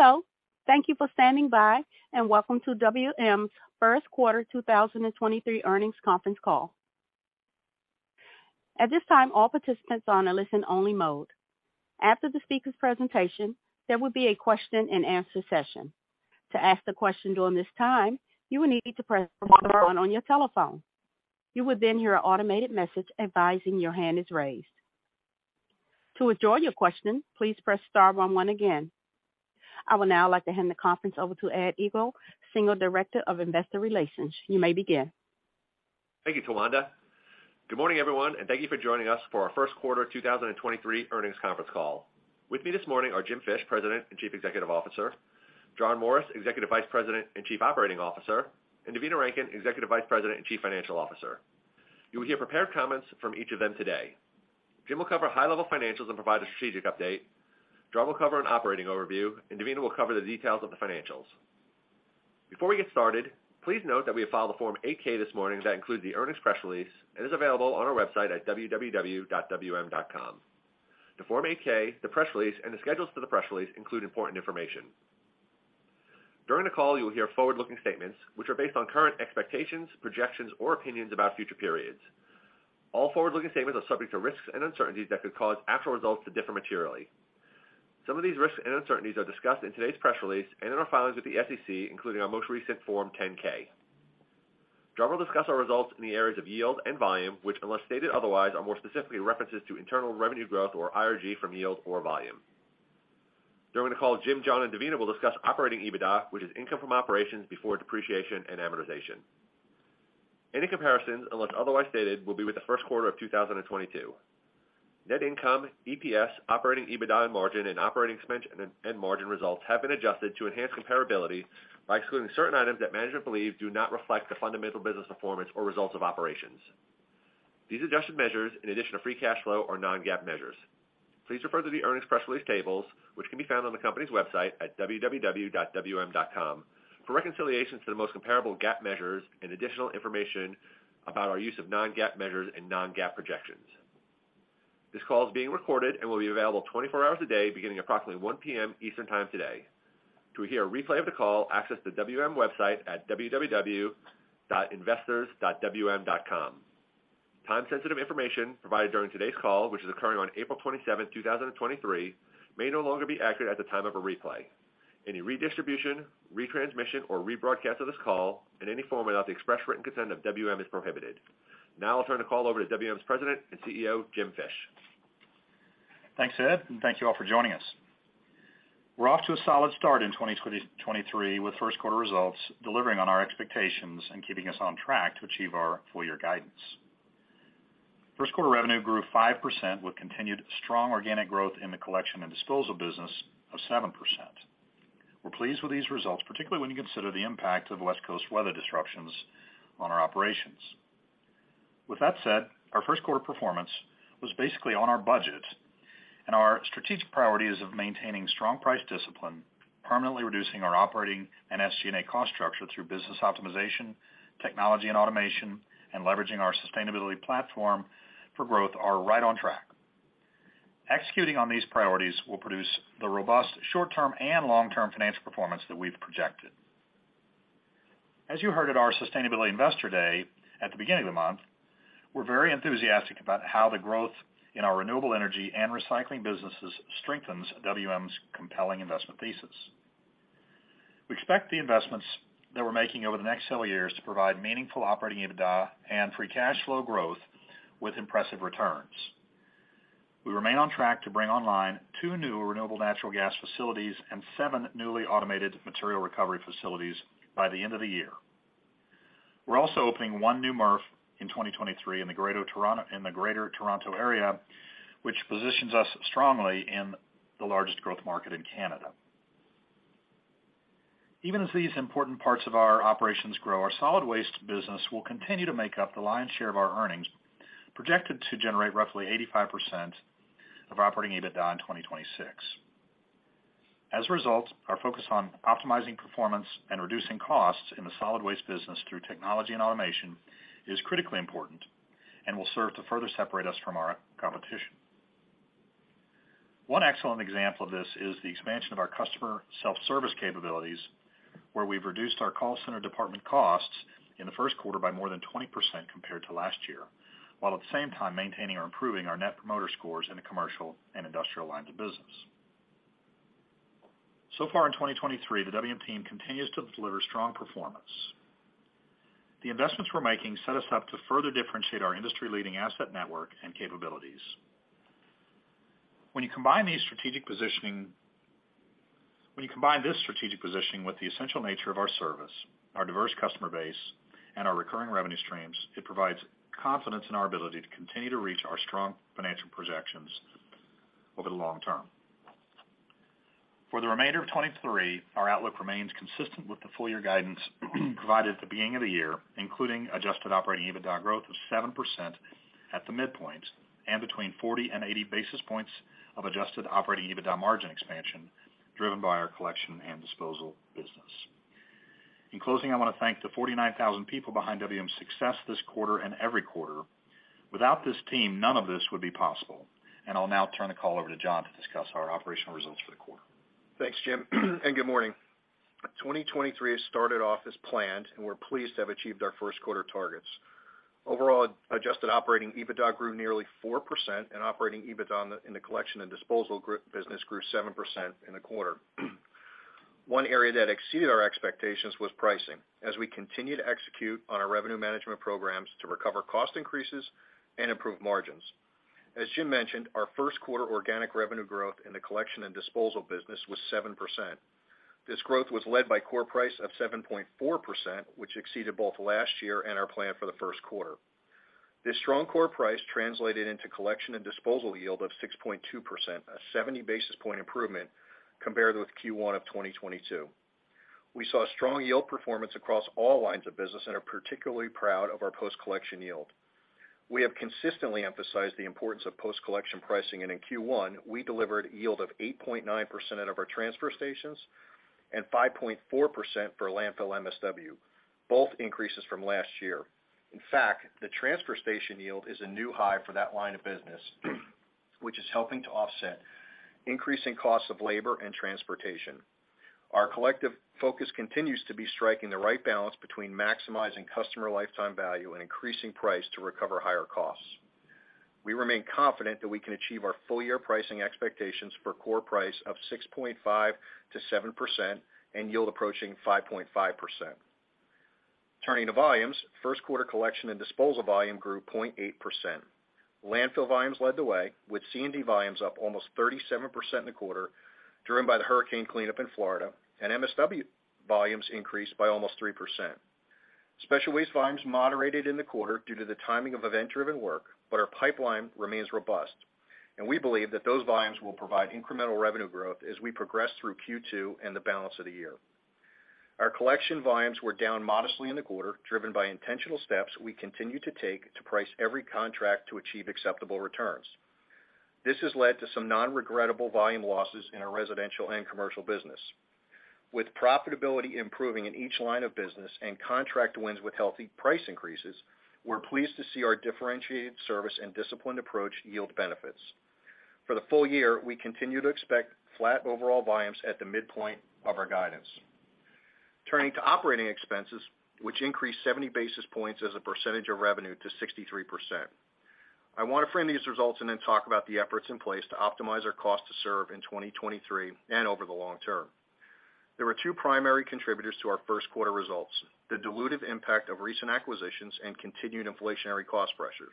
Hello. Thank you for standing by and welcome to WM's first quarter 2023 earni ngs conference call. At this time, all participants are on a listen only mode. After the speaker's presentation, there will be a question and answer session. To ask the question during this time, you will need to press star one on your telephone. You will hear an automated message advising your hand is raised. To withdraw your question, please press star one one again. I would now like to hand the conference over to Ed Egl, Senior Director of Investor Relations. You may begin. Thank you, Tawanda. Good morning, everyone. Thank you for joining us for our first quarter 2023 earnings conference call. With me this morning are Jim Fish, President and Chief Executive Officer, John Morris, Executive Vice President and Chief Operating Officer, and Devina Rankin, Executive Vice President and Chief Financial Officer. You will hear prepared comments from each of them today. Jim will cover high-level financials and provide a strategic update. John will cover an operating overview. Devina will cover the details of the financials. Before we get started, please note that we have filed a Form 8-K this morning that includes the earnings press release and is available on our website at www.wm.com. The Form 8-K, the press release, and the schedules to the press release include important information. During the call, you will hear forward-looking statements which are based on current expectations, projections, or opinions about future periods. All forward-looking statements are subject to risks and uncertainties that could cause actual results to differ materially. Some of these risks and uncertainties are discussed in today's press release and in our filings with the SEC, including our most recent Form 10-K. John will discuss our results in the areas of yield and volume, which, unless stated otherwise, are more specifically references to internal revenue growth or IRG from yield or volume. During the call, Jim, John, and Devina will discuss operating EBITDA, which is income from operations before depreciation and amortization. Any comparisons, unless otherwise stated, will be with the first quarter of 2022. Net income, EPS, operating EBITDA margin, and operating expense and margin results have been adjusted to enhance comparability by excluding certain items that management believe do not reflect the fundamental business performance or results of operations. These adjusted measures, in addition to free cash flow, are non-GAAP measures. Please refer to the earnings press release tables, which can be found on the company's website at www.wm.com for reconciliations to the most comparable GAAP measures and additional information about our use of non-GAAP measures and non-GAAP projections. This call is being recorded and will be available 24 hours a day beginning approximately 1:00 P.M. Eastern time today. To hear a replay of the call, access the WM website at investors.wm.com. Time-sensitive information provided during today's call, which is occurring on April 27, 2023, may no longer be accurate at the time of a replay. Any redistribution, retransmission, or rebroadcast of this call in any form without the express written consent of WM is prohibited. Now I'll turn the call over to WM's President and CEO, Jim Fish. Thanks, Ed. Thank you all for joining us. We're off to a solid start in 2023 with first quarter results delivering on our expectations and keeping us on track to achieve our full year guidance. First quarter revenue grew 5% with continued strong organic growth in the collection and disposal business of 7%. We're pleased with these results, particularly when you consider the impact of West Coast weather disruptions on our operations. With that said, our first quarter performance was basically on our budget and our strategic priorities of maintaining strong price discipline, permanently reducing our operating and SG&A cost structure through business optimization, technology and automation, and leveraging our sustainability platform for growth are right on track. Executing on these priorities will produce the robust short-term and long-term financial performance that we've projected. As you heard at our Sustainability Investor Day at the beginning of the month, we're very enthusiastic about how the growth in our renewable energy and recycling businesses strengthens WM's compelling investment thesis. We expect the investments that we're making over the next several years to provide meaningful operating EBITDA and free cash flow growth with impressive returns. We remain on track to bring online two new renewable natural gas facilities and seven newly automated material recovery facilities by the end of the year. We're also opening one new MRF in 2023 in the Greater Toronto area, which positions us strongly in the largest growth market in Canada. Even as these important parts of our operations grow, our solid waste business will continue to make up the lion's share of our earnings, projected to generate roughly 85% of operating EBITDA in 2026. As a result, our focus on optimizing performance and reducing costs in the solid waste business through technology and automation is critically important and will serve to further separate us from our competition. One excellent example of this is the expansion of our customer self-service capabilities, where we've reduced our call center department costs in the first quarter by more than 20% compared to last year, while at the same time maintaining or improving our Net Promoter Scores in the commercial and industrial lines of business. Far in 2023, the WM team continues to deliver strong performance. The investments we're making set us up to further differentiate our industry-leading asset network and capabilities. When you combine these strategic positioning... When you combine this strategic positioning with the essential nature of our service, our diverse customer base, and our recurring revenue streams, it provides confidence in our ability to continue to reach our strong financial projections over the long term. For the remainder of 2023, our outlook remains consistent with the full year guidance provided at the beginning of the year, including adjusted operating EBITDA growth of 7% at the midpoint and between 40 and 80 basis points of adjusted operating EBITDA margin expansion driven by our collection and disposal business. In closing, I want to thank the 49,000 people behind WM's success this quarter and every quarter. Without this team, none of this would be possible. I'll now turn the call over to John to discuss our operational results for the quarter. Thanks, Jim. Good morning. 2023 has started off as planned. We're pleased to have achieved our first quarter targets. Overall, adjusted operating EBITDA grew nearly 4% and operating EBITDA in the collection and disposal business grew 7% in the quarter. One area that exceeded our expectations was pricing, as we continue to execute on our revenue management programs to recover cost increases and improve margins. As Jim mentioned, our first quarter organic revenue growth in the collection and disposal business was 7%. This growth was led by core price of 7.4%, which exceeded both last year and our plan for the first quarter. This strong core price translated into collection and disposal yield of 6.2%, a 70 basis point improvement compared with Q1 of 2022. We saw strong yield performance across all lines of business and are particularly proud of our post-collection yield. We have consistently emphasized the importance of post-collection pricing, and in Q1, we delivered yield of 8.9% out of our transfer stations and 5.4% for landfill MSW, both increases from last year. In fact, the transfer station yield is a new high for that line of business, which is helping to offset increasing costs of labor and transportation. Our collective focus continues to be striking the right balance between maximizing customer lifetime value and increasing price to recover higher costs. We remain confident that we can achieve our full-year pricing expectations for core price of 6.5%-7% and yield approaching 5.5%. Turning to volumes, first quarter collection and disposal volume grew 0.8%. Landfill volumes led the way, with C&D volumes up almost 37% in the quarter, driven by the hurricane cleanup in Florida and MSW volumes increased by almost 3%. Special waste volumes moderated in the quarter due to the timing of event-driven work. Our pipeline remains robust, and we believe that those volumes will provide incremental revenue growth as we progress through Q2 and the balance of the year. Our collection volumes were down modestly in the quarter, driven by intentional steps we continue to take to price every contract to achieve acceptable returns. This has led to some non-regrettable volume losses in our residential and commercial business. With profitability improving in each line of business and contract wins with healthy price increases, we're pleased to see our differentiated service and disciplined approach yield benefits. For the full year, we continue to expect flat overall volumes at the midpoint of our guidance. Turning to operating expenses, which increased 70 basis points as a percentage of revenue to 63%. I want to frame these results and then talk about the efforts in place to optimize our cost to serve in 2023 and over the long term. There were two primary contributors to our first quarter results, the dilutive impact of recent acquisitions and continued inflationary cost pressures.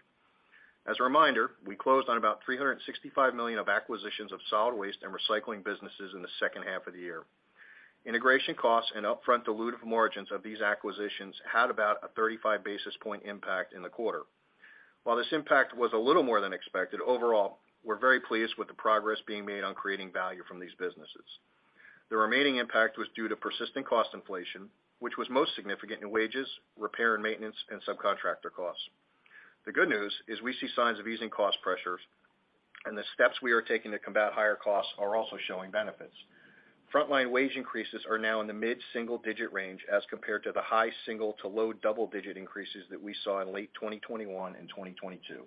As a reminder, we closed on about $365 million of acquisitions of solid waste and recycling businesses in the second half of the year. Integration costs and upfront dilutive margins of these acquisitions had about a 35 basis point impact in the quarter. While this impact was a little more than expected, overall, we're very pleased with the progress being made on creating value from these businesses. The remaining impact was due to persistent cost inflation, which was most significant in wages, repair and maintenance, and subcontractor costs. The good news is we see signs of easing cost pressures, and the steps we are taking to combat higher costs are also showing benefits. Frontline wage increases are now in the mid-single digit range as compared to the high single to low double-digit increases that we saw in late 2021 and 2022.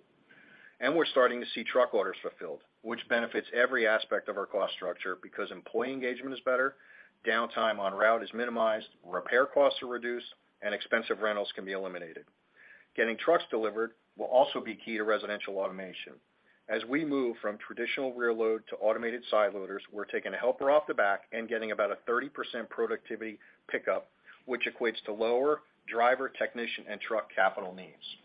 We're starting to see truck orders fulfilled, which benefits every aspect of our cost structure because employee engagement is better, downtime on route is minimized, repair costs are reduced, and expensive rentals can be eliminated. Getting trucks delivered will also be key to residential automation. As we move from traditional rear load to automated side loaders, we're taking a helper off the back and getting about a 30% productivity pickup, which equates to lower driver, technician, and truck capital needs.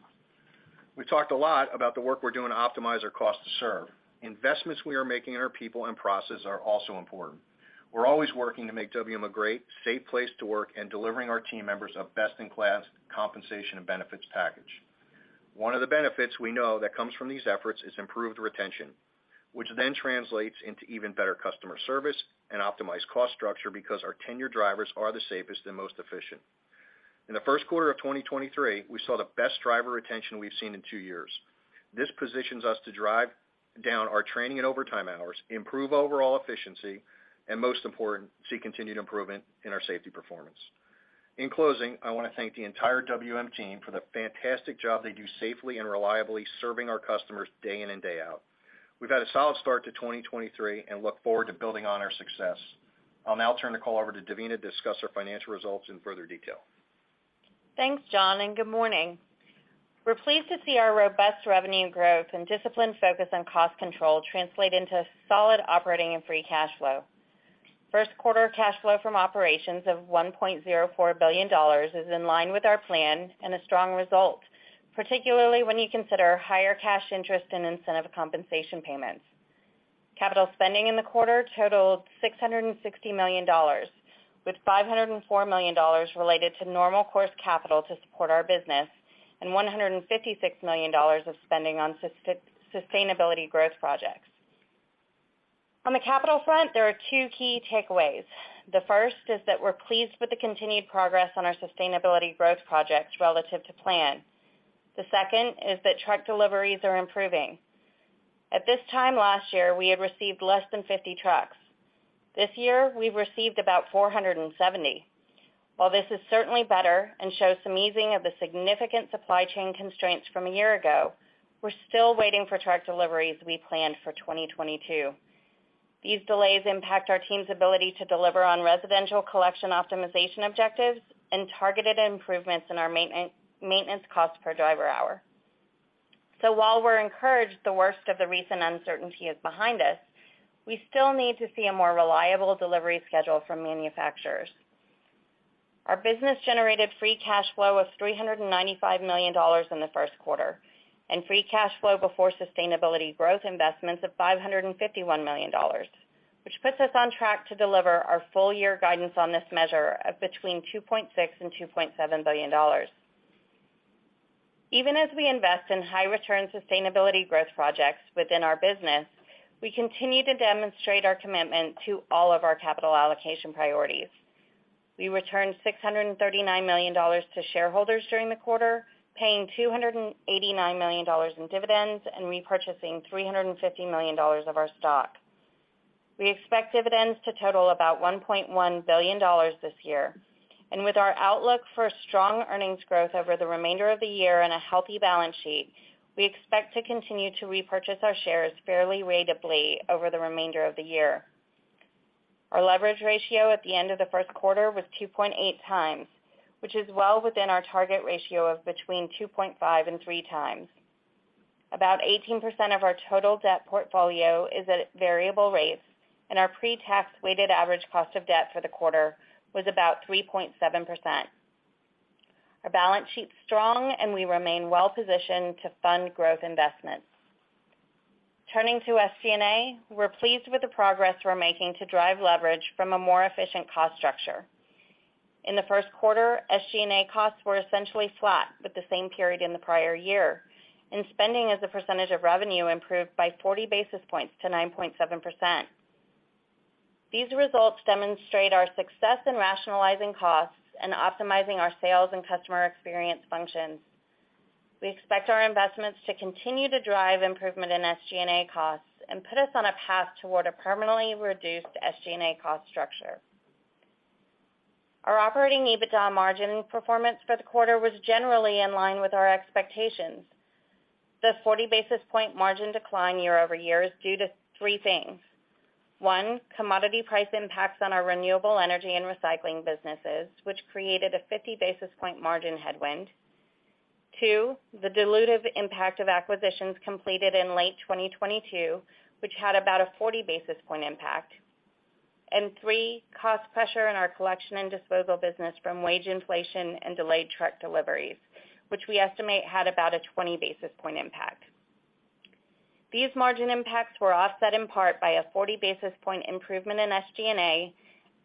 We talked a lot about the work we're doing to optimize our cost to serve. Investments we are making in our people and process are also important. We're always working to make WM a great, safe place to work and delivering our team members a best-in-class compensation and benefits package. One of the benefits we know that comes from these efforts is improved retention, which then translates into even better customer service and optimized cost structure because our tenured drivers are the safest and most efficient. In the first quarter of 2023, we saw the best driver retention we've seen in two years. This positions us to drive down our training and overtime hours, improve overall efficiency, and most important, see continued improvement in our safety performance. In closing, I want to thank the entire WM team for the fantastic job they do safely and reliably serving our customers day in and day out. We've had a solid start to 2023 and look forward to building on our success. I'll now turn the call over to Devina to discuss our financial results in further detail. Thanks, John. Good morning. We're pleased to see our robust revenue growth and disciplined focus on cost control translate into solid operating and free cash flow. First quarter cash flow from operations of $1.04 billion is in line with our plan and a strong result, particularly when you consider higher cash interest and incentive compensation payments. Capital spending in the quarter totaled $660 million, with $504 million related to normal course capital to support our business and $156 million of spending on sustainability growth projects. On the capital front, there are two key takeaways. The first is that we're pleased with the continued progress on our sustainability growth projects relative to plan. The second is that truck deliveries are improving. At this time last year, we had received less than 50 trucks. This year, we've received about 470. While this is certainly better and shows some easing of the significant supply chain constraints from a year ago, we're still waiting for truck deliveries we planned for 2022. These delays impact our team's ability to deliver on residential collection optimization objectives and targeted improvements in our maintenance cost per driver hour. While we're encouraged the worst of the recent uncertainty is behind us, we still need to see a more reliable delivery schedule from manufacturers. Our business generated free cash flow of $395 million in the first quarter, and free cash flow before sustainability growth investments of $551 million, which puts us on track to deliver our full year guidance on this measure of between $2.6 billion and $2.7 billion. Even as we invest in high return sustainability growth projects within our business, we continue to demonstrate our commitment to all of our capital allocation priorities. We returned $639 million to shareholders during the quarter, paying $289 million in dividends and repurchasing $350 million of our stock. We expect dividends to total about $1.1 billion this year. With our outlook for strong earnings growth over the remainder of the year and a healthy balance sheet, we expect to continue to repurchase our shares fairly ratably over the remainder of the year. Our leverage ratio at the end of the first quarter was 2.8x, which is well within our target ratio of between 2.5x and 3x. About 18% of our total debt portfolio is at variable rates, and our pre-tax weighted average cost of debt for the quarter was about 3.7%. Our balance sheet is strong, and we remain well positioned to fund growth investments. Turning to SG&A, we're pleased with the progress we're making to drive leverage from a more efficient cost structure. In the 1st quarter, SG&A costs were essentially flat with the same period in the prior year, and spending as a percentage of revenue improved by 40 basis points to 9.7%. These results demonstrate our success in rationalizing costs and optimizing our sales and customer experience functions. We expect our investments to continue to drive improvement in SG&A costs and put us on a path toward a permanently reduced SG&A cost structure. Our operating EBITDA margin performance for the quarter was generally in line with our expectations. The 40 basis point margin decline year-over-year is due to three things. One, commodity price impacts on our renewable energy and recycling businesses, which created a 50 basis point margin headwind. Two, the dilutive impact of acquisitions completed in late 2022, which had about a 40 basis point impact. Three, cost pressure in our collection and disposal business from wage inflation and delayed truck deliveries, which we estimate had about a 20 basis point impact. These margin impacts were offset in part by a 40 basis point improvement in SG&A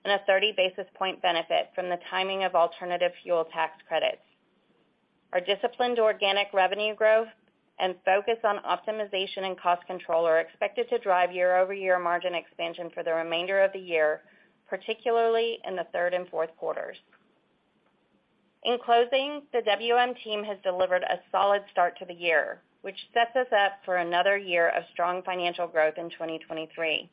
and a 30 basis point benefit from the timing of alternative fuel tax credits. Our disciplined organic revenue growth and focus on optimization and cost control are expected to drive year-over-year margin expansion for the remainder of the year, particularly in the third and fourth quarters. In closing, the WM team has delivered a solid start to the year, which sets us up for another year of strong financial growth in 2023.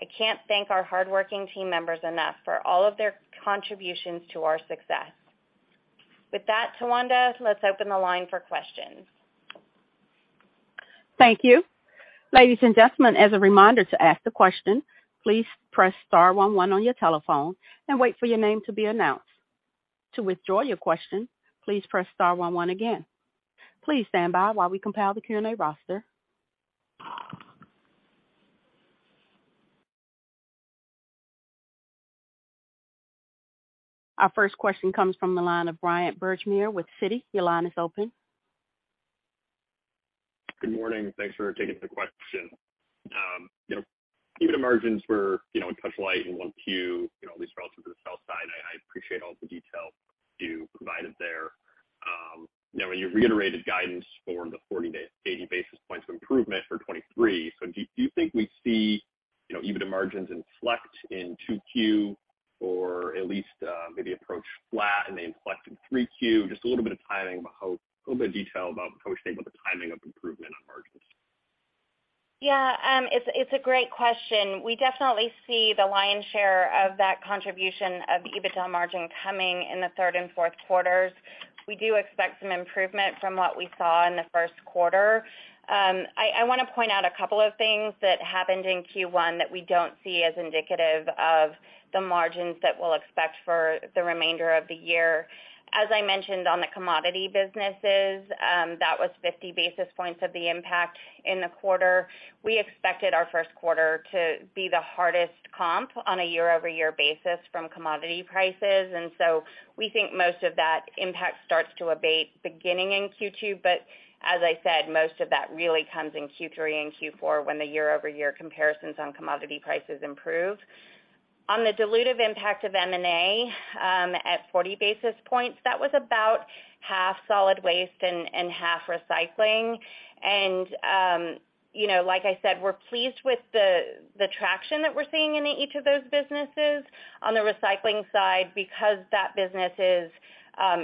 I can't thank our hardworking team members enough for all of their contributions to our success. With that, Tawanda, let's open the line for questions. Thank you. Ladies and gentlemen, as a reminder to ask the question, please press star one one on your telephone and wait for your name to be announced. To withdraw your question, please press star one one again. Please stand by while we compile the Q&A roster. Our first question comes from the line of Bryan Burgmeier with Citi. Your line is open. Good morning. Thanks for taking the question. you know, EBITDA margins were, you know, touch light in 1Q, you know, at least relative to the sell side. I appreciate all the detail you provided there. Now, when you reiterated guidance for the 40 to 80 basis points of improvement for 2023, do you think we see, you know, EBITDA margins inflect in 2Q or at least, maybe approach flat and then inflect in 3Q? Just a little bit of detail about how we think about the timing of improvement on margins? It's a great question. We definitely see the lion's share of that contribution of EBITDA margin coming in the third and fourth quarters. We do expect some improvement from what we saw in the first quarter. I wanna point out a couple of things that happened in Q1 that we don't see as indicative of the margins that we'll expect for the remainder of the year. As I mentioned on the commodity businesses, that was 50 basis points of the impact in the quarter. We expected our first quarter to be the hardest comp on a year-over-year basis from commodity prices. We think most of that impact starts to abate beginning in Q2. As I said, most of that really comes in Q3 and Q4 when the year-over-year comparisons on commodity prices improve. On the dilutive impact of M&A, at 40 basis points, that was about half solid waste and half recycling. You know, like I said, we're pleased with the traction that we're seeing in each of those businesses. On the recycling side, because that business is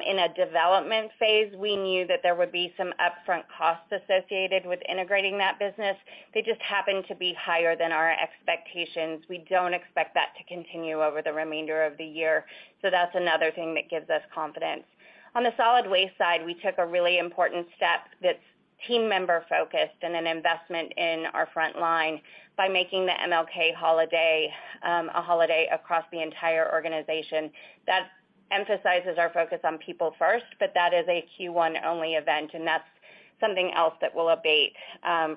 in a development phase, we knew that there would be some upfront costs associated with integrating that business. They just happened to be higher than our expectations. We don't expect that to continue over the remainder of the year. That's another thing that gives us confidence. On the solid waste side, we took a really important step that's team member-focused and an investment in our front line by making the MLK Holiday a holiday across the entire organization. That emphasizes our focus on people first, but that is a Q1 only event, and that's something else that will abate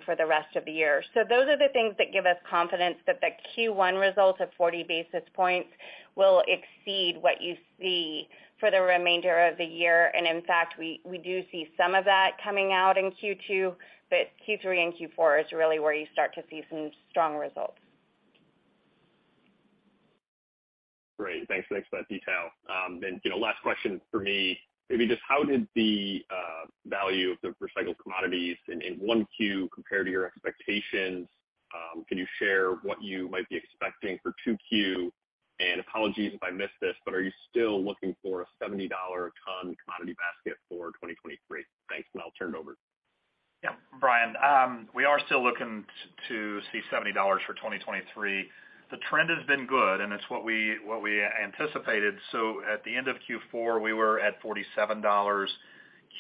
for the rest of the year. Those are the things that give us confidence that the Q1 results of 40 basis points will exceed what you see for the remainder of the year. In fact, we do see some of that coming out in Q2, but Q3 and Q4 is really where you start to see some strong results. Great. Thanks. Thanks for that detail. you know, last question for me, maybe just how did the value of the recycled commodities in 1Q compare to your expectations? Can you share what you might be expecting for 2Q? Apologies if I missed this, but are you still looking for a $70 a ton commodity basket for 2023? Thanks. I'll turn it over. Yeah. Bryan, we are still looking to see $70 for 2023. The trend has been good, and it's what we anticipated. At the end of Q4, we were at $47.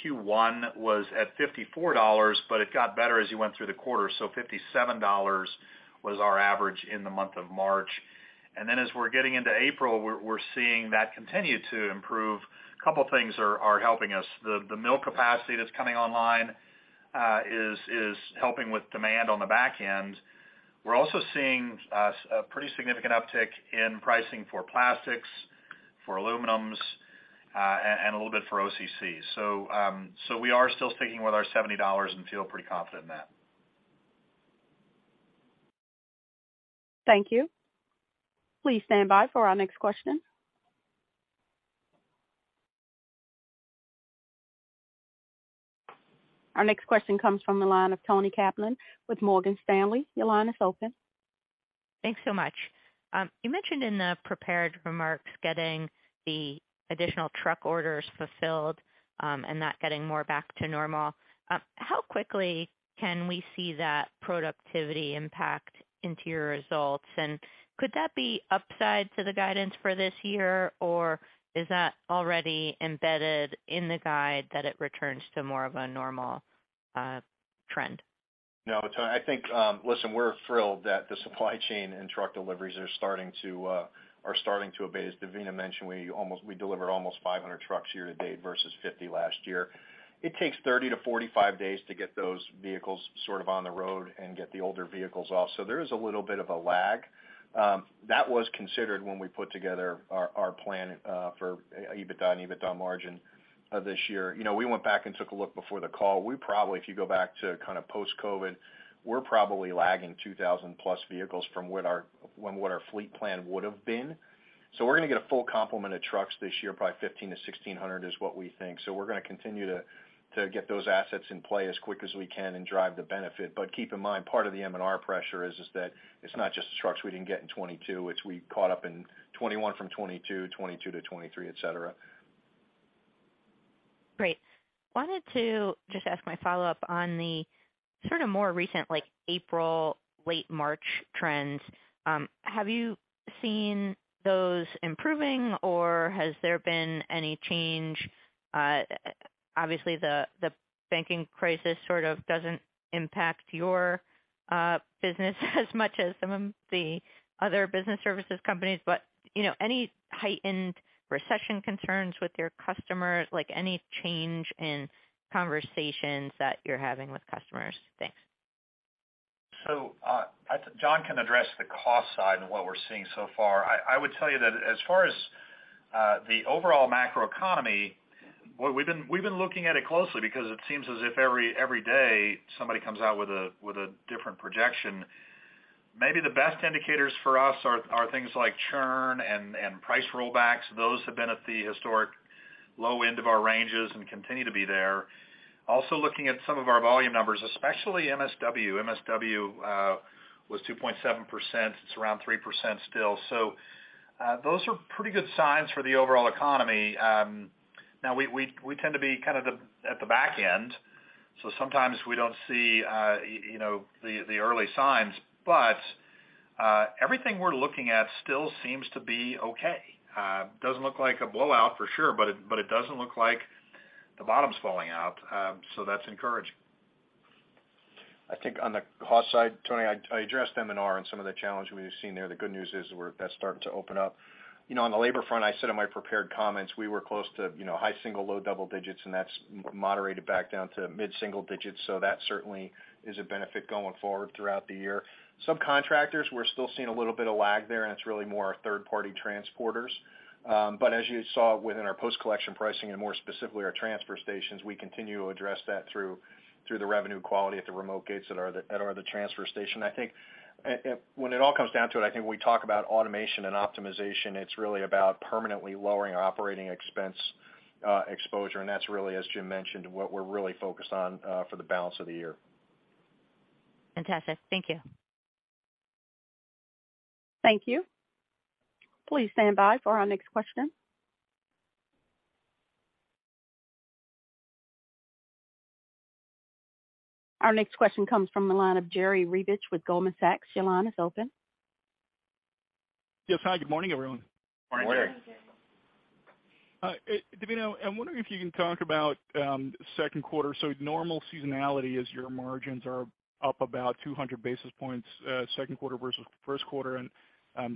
Q1 was at $54, it got better as you went through the quarter. $57 was our average in the month of March. As we're getting into April, we're seeing that continue to improve. A couple things are helping us. The mill capacity that's coming online is helping with demand on the back end. We're also seeing a pretty significant uptick in pricing for plastics, for aluminums, and a little bit for OCC. We are still sticking with our $70 and feel pretty confident in that. Thank you. Please stand by for our next question. Our next question comes from the line of Toni Kaplan with Morgan Stanley. Your line is open. Thanks so much. You mentioned in the prepared remarks getting the additional truck orders fulfilled, and that getting more back to normal. How quickly can we see that productivity impact into your results? Could that be upside to the guidance for this year, or is that already embedded in the guide that it returns to more of a normal trend? Toni, I think, listen, we're thrilled that the supply chain and truck deliveries are starting to abate. As Devina mentioned, we delivered almost 500 trucks year to date versus 50 last year. It takes 30-45 days to get those vehicles sort of on the road and get the older vehicles off. There is a little bit of a lag. That was considered when we put together our plan for EBITDA and EBITDA margin of this year. You know, we went back and took a look before the call. We probably, if you go back to kinda post-COVID, we're probably lagging 2,000+ vehicles from what our fleet plan would have been. We're gonna get a full complement of trucks this year, probably 1,500-1,600 is what we think. We're gonna continue to get those assets in play as quick as we can and drive the benefit. Keep in mind, part of the M&R pressure is that it's not just the trucks we didn't get in 2022, which we caught up in 2021 from 2022 to 2023, et cetera. Great. Wanted to just ask my follow-up on the sort of more recent, like April, late March trends. Have you seen those improving, or has there been any change? Obviously, the banking crisis sort of doesn't impact your business as much as some of the other business services companies, but, you know, any heightened recession concerns with your customers? Like, any change in conversations that you're having with customers? Thanks. John can address the cost side and what we're seeing so far. I would tell you that as far as the overall macroeconomy, We've been looking at it closely because it seems as if every day somebody comes out with a, with a different projection. Maybe the best indicators for us are things like churn and price rollbacks. Those have been at the historic low end of our ranges and continue to be there. Also looking at some of our volume numbers, especially MSW. MSW was 2.7%. It's around 3% still. Those are pretty good signs for the overall economy. Now we tend to be kind of the, at the back end, so sometimes we don't see, you know, the early signs. Everything we're looking at still seems to be okay. Doesn't look like a blowout for sure, but it doesn't look like the bottom's falling out. That's encouraging. I think on the cost side, Toni, I addressed M&R and some of the challenges we've seen there. The good news is that's starting to open up. You know, on the labor front, I said in my prepared comments, we were close to, you know, high single, low double digits, and that's moderated back down to mid-single digits. That certainly is a benefit going forward throughout the year. Subcontractors, we're still seeing a little bit of lag there, and it's really more our third-party transporters. As you saw within our post-collection pricing and more specifically our transfer stations, we continue to address that through the revenue quality at the remote gates that are the transfer station. I think, when it all comes down to it, I think when we talk about automation and optimization, it's really about permanently lowering our operating expense exposure, and that's really, as Jim mentioned, what we're really focused on for the balance of the year. Fantastic. Thank you. Thank you. Please stand by for our next question. Our next question comes from the line of Jerry Revich with Goldman Sachs. Your line is open. Yes. Hi, good morning, everyone. Morning, Jerry. Devina, I'm wondering if you can talk about second quarter. Normal seasonality is your margins are up about 200 basis points, second quarter versus first quarter.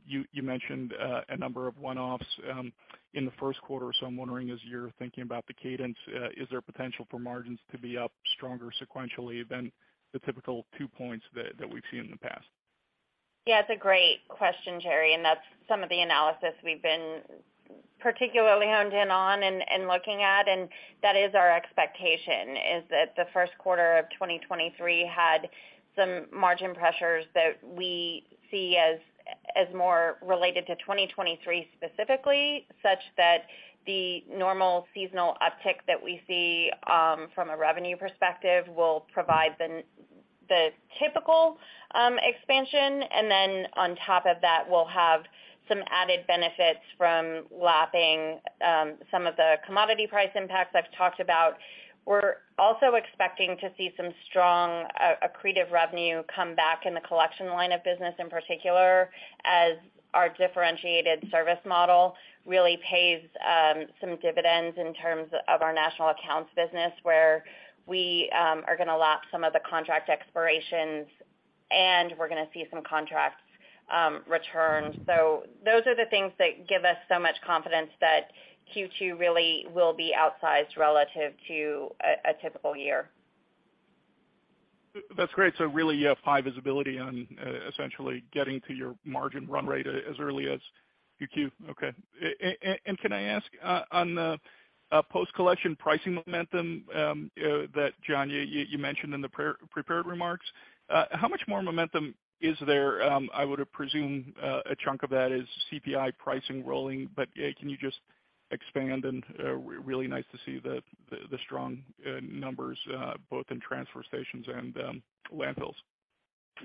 You mentioned a number of one-offs in the first quarter. I'm wondering, as you're thinking about the cadence, is there potential for margins to be up stronger sequentially than the typical 2 points that we've seen in the past? It's a great question, Jerry, and that's some of the analysis we've been particularly honed in on and looking at. That is our expectation, is that the first quarter of 2023 had some margin pressures that we see as more related to 2023 specifically, such that the normal seasonal uptick that we see from a revenue perspective will provide the typical expansion. Then on top of that, we'll have some added benefits from lapping some of the commodity price impacts I've talked about. We're also expecting to see some strong accretive revenue come back in the collection line of business in particular, as our differentiated service model really pays some dividends in terms of our national accounts business, where we are gonna lap some of the contract expirations, and we're gonna see some contracts return. Those are the things that give us so much confidence that Q2 really will be outsized relative to a typical year. That's great. really you have high visibility on essentially getting to your margin run rate as early as 2Q. Okay. can I ask on post-collection pricing momentum that John, you mentioned in the pre-prepared remarks, how much more momentum is there? I would have presumed a chunk of that is CPI pricing rolling. yeah, can you just expand? really nice to see the strong numbers both in transfer stations and landfills.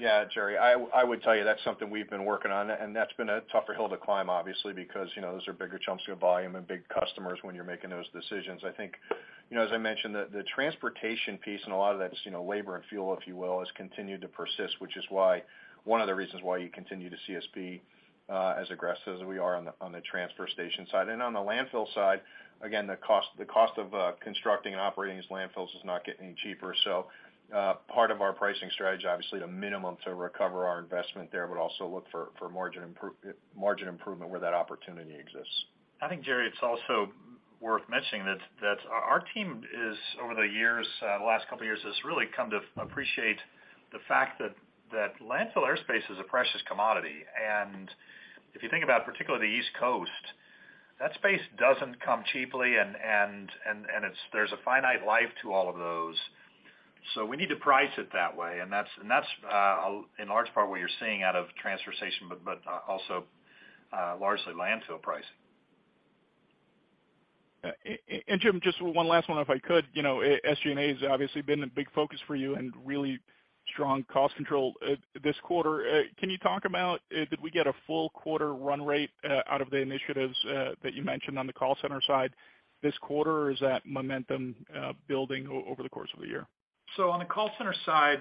Yeah. Jerry, I would tell you that's something we've been working on, and that's been a tougher hill to climb, obviously, because, you know, those are bigger chunks of volume and big customers when you're making those decisions. I think, you know, as I mentioned, the transportation piece and a lot of that's, you know, labor and fuel, if you will, has continued to persist, which is why one of the reasons why you continue to see us be as aggressive as we are on the, on the transfer station side. On the landfill side, again, the cost of constructing and operating these landfills is not getting any cheaper. Part of our pricing strategy, obviously the minimum to recover our investment there, would also look for margin improvement where that opportunity exists. I think, Jerry, it's also worth mentioning that our team is over the years, the last couple of years, has really come to appreciate the fact that landfill airspace is a precious commodity. If you think about particularly the East Coast, that space doesn't come cheaply. There's a finite life to all of those. We need to price it that way. That's, in large part what you're seeing out of transfer station, but also largely landfill pricing. Jim, just one last one, if I could. You know, SG&A has obviously been a big focus for you and really strong cost control this quarter. Can you talk about, did we get a full quarter run rate out of the initiatives that you mentioned on the call center side this quarter, or is that momentum building over the course of the year? On the call center side,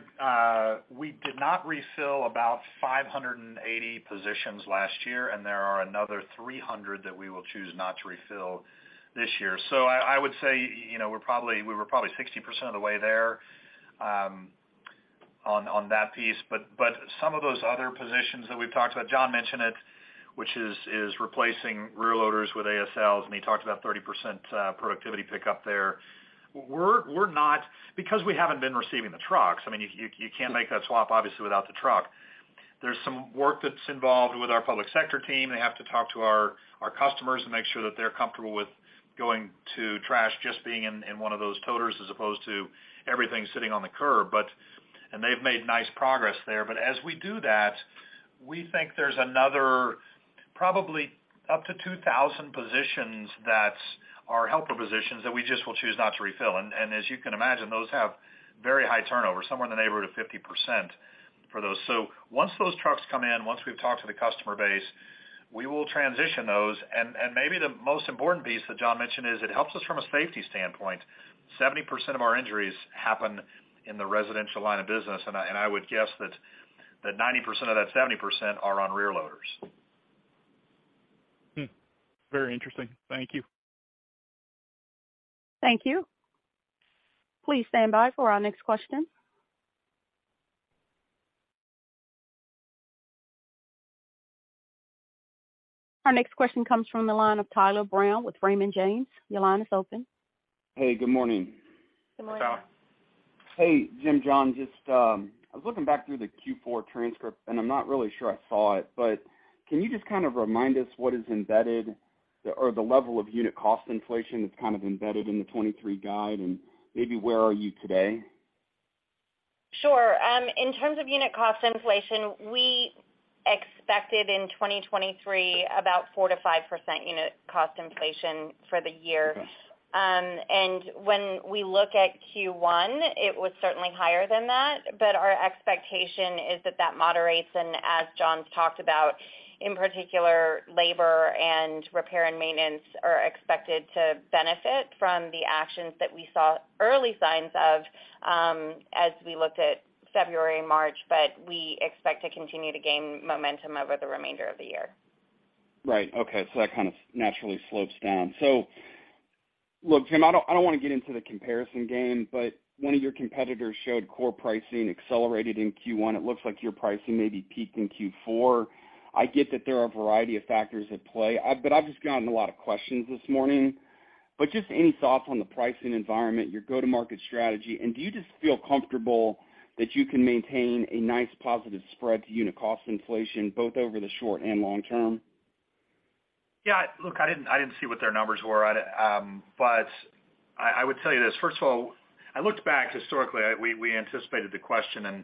we did not refill about 580 positions last year, and there are another 300 that we will choose not to refill this year. I would say, you know, we were probably 60% of the way there, on that piece. Some of those other positions that we've talked about, John mentioned it, which is replacing reloaders with ASLs, and he talked about 30%, productivity pickup there. Because we haven't been receiving the trucks, I mean, you can't make that swap, obviously, without the truck. There's some work that's involved with our public sector team. They have to talk to our customers and make sure that they're comfortable with going to trash, just being in one of those toters as opposed to everything sitting on the curb. They've made nice progress there. As we do that, we think there's another probably up to 2,000 positions are helper positions that we just will choose not to refill. As you can imagine, those have very high turnover, somewhere in the neighborhood of 50% for those. Once those trucks come in, once we've talked to the customer base, we will transition those. Maybe the most important piece that John mentioned is it helps us from a safety standpoint. 70% of our injuries happen in the residential line of business, and I would guess that 90% of that 70% are on rear loaders. Very interesting. Thank you. Thank you. Please stand by for our next question. Our next question comes from the line of Tyler Brown with Raymond James. Your line is open. Hey, good morning. Good morning. Hey, Jim, John, just, I was looking back through the Q4 transcript, and I'm not really sure I saw it, but can you just kind of remind us what is embedded or the level of unit cost inflation that's kind of embedded in the 2023 guide and maybe where are you today? Sure. In terms of unit cost inflation, we expected in 2023 about 4%-5% unit cost inflation for the year. When we look at Q1, it was certainly higher than that, but our expectation is that that moderates, and as John's talked about, in particular, labor and repair and maintenance are expected to benefit From the actions that we saw early signs of, as we looked at February, March, but we expect to continue to gain momentum over the remainder of the year. Right. Okay. That kind of naturally slopes down. Look, Jim, I don't wanna get into the comparison game, but one of your competitors showed core pricing accelerated in Q1. It looks like your pricing maybe peaked in Q4. I get that there are a variety of factors at play, but I've just gotten a lot of questions this morning. Just any thoughts on the pricing environment, your go-to-market strategy, and do you just feel comfortable that you can maintain a nice positive spread to unit cost inflation both over the short and long term? Yeah. Look, I didn't, I didn't see what their numbers were. I would tell you this, first of all, I looked back historically. We anticipated the question,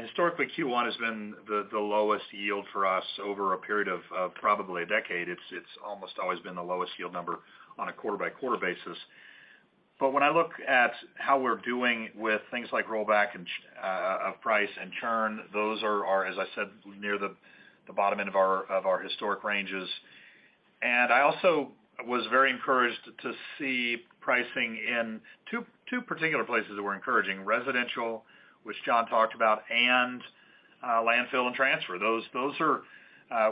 historically, Q1 has been the lowest yield for us over a period of probably a decade. It's almost always been the lowest yield number on a quarter-by-quarter basis. When I look at how we're doing with things like rollback and of price and churn, those are, as I said, near the bottom end of our historic ranges. I also was very encouraged to see pricing in two particular places that were encouraging: residential, which John talked about, landfill and transfer. Those are,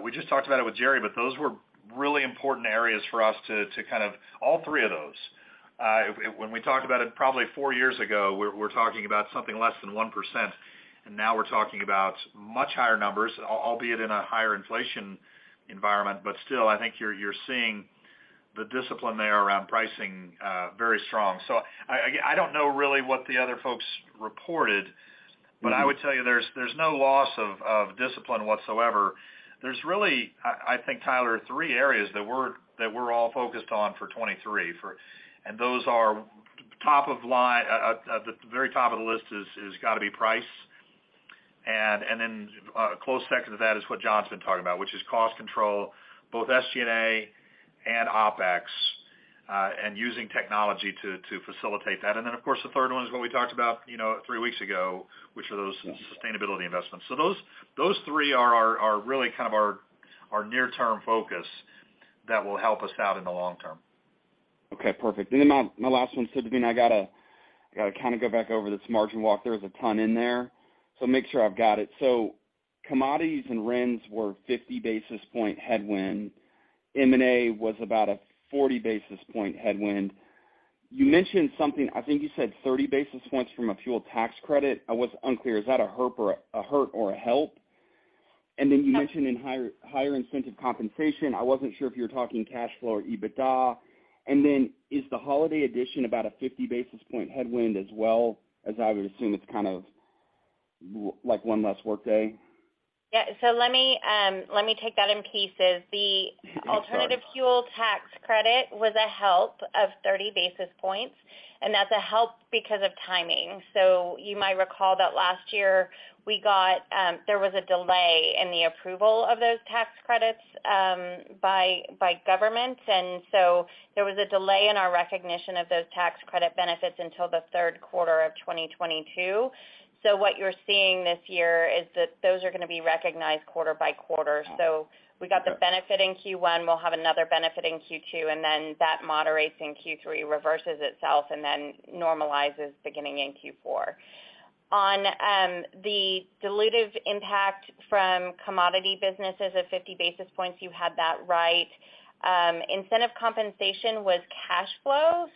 we just talked about it with Jerry, but those were really important areas for us to kind of. All three of those, when we talked about it probably four years ago, we're talking about something less than 1%, and now we're talking about much higher numbers, albeit in a higher inflation environment. Still, I think you're seeing the discipline there around pricing, very strong. I don't know really what the other folks reported, but I would tell you there's no loss of discipline whatsoever. There's really, I think, Tyler, three areas that we're all focused on for 2023. Those are top of line. At the very top of the list is gotta be price. Then, close second to that is what John's been talking about, which is cost control, both SG&A and OpEx, and using technology to facilitate that. Then, of course, the third one is what we talked about, you know, three weeks ago, which are those sustainability investments. Those three are really kind of our near-term focus that will help us out in the long term. Okay, perfect. My last one, Devina, I gotta kinda go back over this margin walk. There was a ton in there, so make sure I've got it. Commodities and RINs were 50 basis point headwind. M&A was about a 40 basis point headwind. You mentioned something, I think you said 30 basis points from a fuel tax credit. I was unclear, is that a hurt or a help? You mentioned in higher incentive compensation. I wasn't sure if you were talking cash flow or EBITDA. Is the holiday edition about a 50 basis point headwind as well? As I would assume it's kind of like one less workday. Yeah. Let me take that in pieces. Yeah. Sorry. The alternative fuel tax credit was a help of 30 basis points. That's a help because of timing. You might recall that last year we got there was a delay in the approval of those tax credits by government. There was a delay in our recognition of those tax credit benefits until the third quarter of 2022. What you're seeing this year is that those are gonna be recognized quarter by quarter. Okay. We got the benefit in Q1, we'll have another benefit in Q2, and then that moderates in Q3, reverses itself, and then normalizes beginning in Q4. The dilutive impact from commodity businesses of 50 basis points, you had that right. Incentive compensation was cash flow.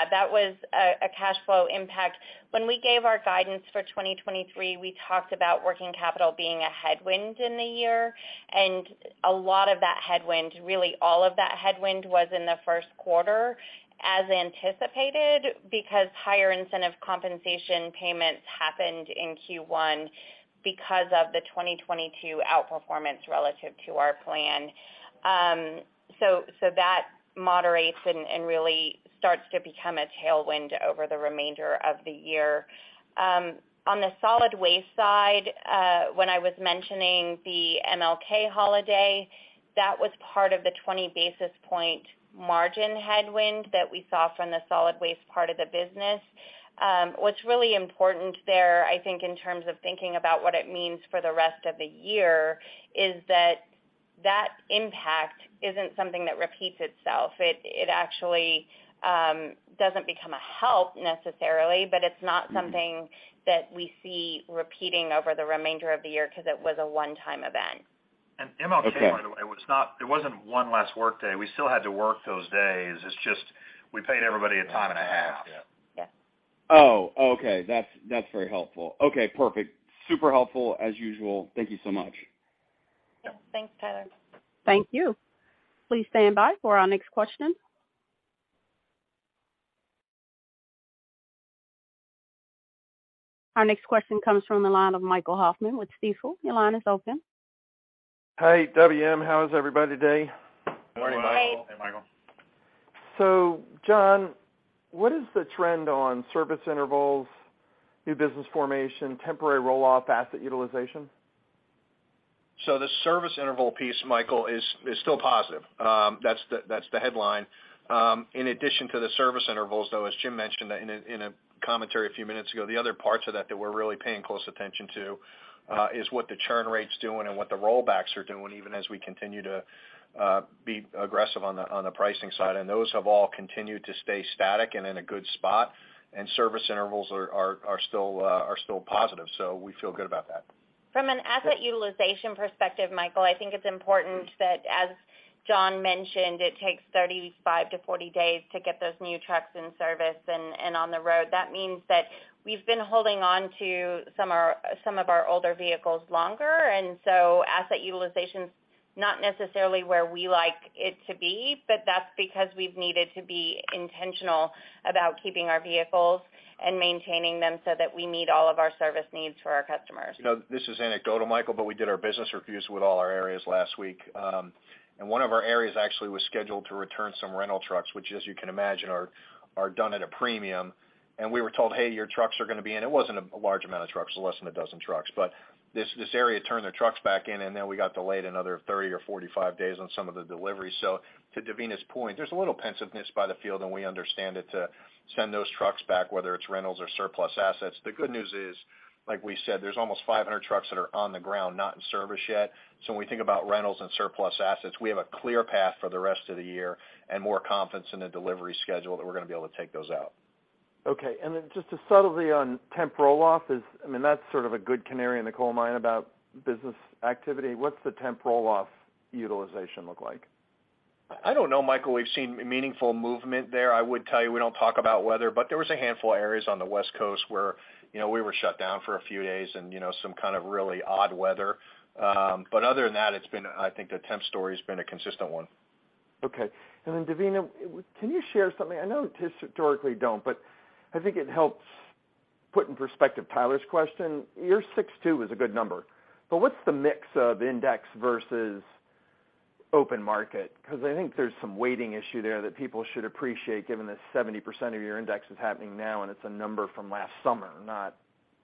Okay. Yeah, that was a cash flow impact. When we gave our guidance for 2023, we talked about working capital being a headwind in the year, and a lot of that headwind, really all of that headwind was in the first quarter as anticipated because higher incentive compensation payments happened in Q1 because of the 2022 outperformance relative to our plan. That moderates and really starts to become a tailwind over the remainder of the year. On the solid waste side, when I was mentioning the MLK Holiday, that was part of the 20 basis point margin headwind that we saw from the solid waste part of the business. What's really important there, I think, in terms of thinking about what it means for the rest of the year, is that that impact isn't something that repeats itself. It actually doesn't become a help necessarily, but it's not something that we see repeating over the remainder of the year 'cause it was a one-time event. MLK. Okay. By the way, It wasn't one less workday. We still had to work those days. It's just we paid everybody at time and a half. Yeah. Yeah. Oh, okay. That's very helpful. Okay. Perfect. Super helpful as usual. Thank you so much. Yeah. Thanks, Tyler. Thank you. Please stand by for our next question. Our next question comes from the line of Michael Hoffman with Stifel. Your line is open. Hey, WM. How is everybody today? Good morning, Michael. Great. Hey, Michael. John, what is the trend on service intervals, new business formation, temporary roll-off asset utilization? The service interval piece, Michael, is still positive. That's the headline. In addition to the service intervals, though, as Jim mentioned that in a commentary a few minutes ago, the other parts of that that we're really paying close attention to, is what the churn rate's doing and what the rollbacks are doing, even as we continue to be aggressive on the pricing side. Those have all continued to stay static and in a good spot, and service intervals are still positive. We feel good about that. From an asset utilization perspective, Michael, I think it's important that, as John mentioned, it takes 35-40 days to get those new trucks in service and on the road. That means that we've been holding on to some of our older vehicles longer, and so asset utilization is not necessarily where we like it to be, but that's because we've needed to be intentional about keeping our vehicles and maintaining them so that we meet all of our service needs for our customers. You know, this is anecdotal, Michael, but we did our business reviews with all our areas last week. One of our areas actually was scheduled to return some rental trucks, which, as you can imagine, are done at a premium. We were told, "Hey, your trucks are gonna be in." It wasn't a large amount of trucks, it was less than a dozen trucks. This area turned their trucks back in, and then we got delayed another 30 or 45 days on some of the deliveries. To Devina's point, there's a little pensiveness by the field, and we understand it, to send those trucks back, whether it's rentals or surplus assets. The good news is, like we said, there's almost 500 trucks that are on the ground, not in service yet. When we think about rentals and surplus assets, we have a clear path for the rest of the year and more confidence in the delivery schedule that we're going to be able to take those out. Okay. Then just to subtly on temp roll-off is, I mean, that's sort of a good canary in the coal mine about business activity. What's the temp roll-off utilization look like? I don't know, Michael. We've seen meaningful movement there. I would tell you, we don't talk about weather, but there was a handful of areas on the West Coast where, you know, we were shut down for a few days and, you know, some kind of really odd weather. Other than that, it's been, I think the temp story's been a consistent one. Okay. Devina, can you share something? I know you just historically don't, I think it helps put in perspective Tyler's question. Your 6.2 is a good number, what's the mix of index versus open market? 'Cause I think there's some weighting issue there that people should appreciate, given that 70% of your index is happening now, it's a number from last summer, not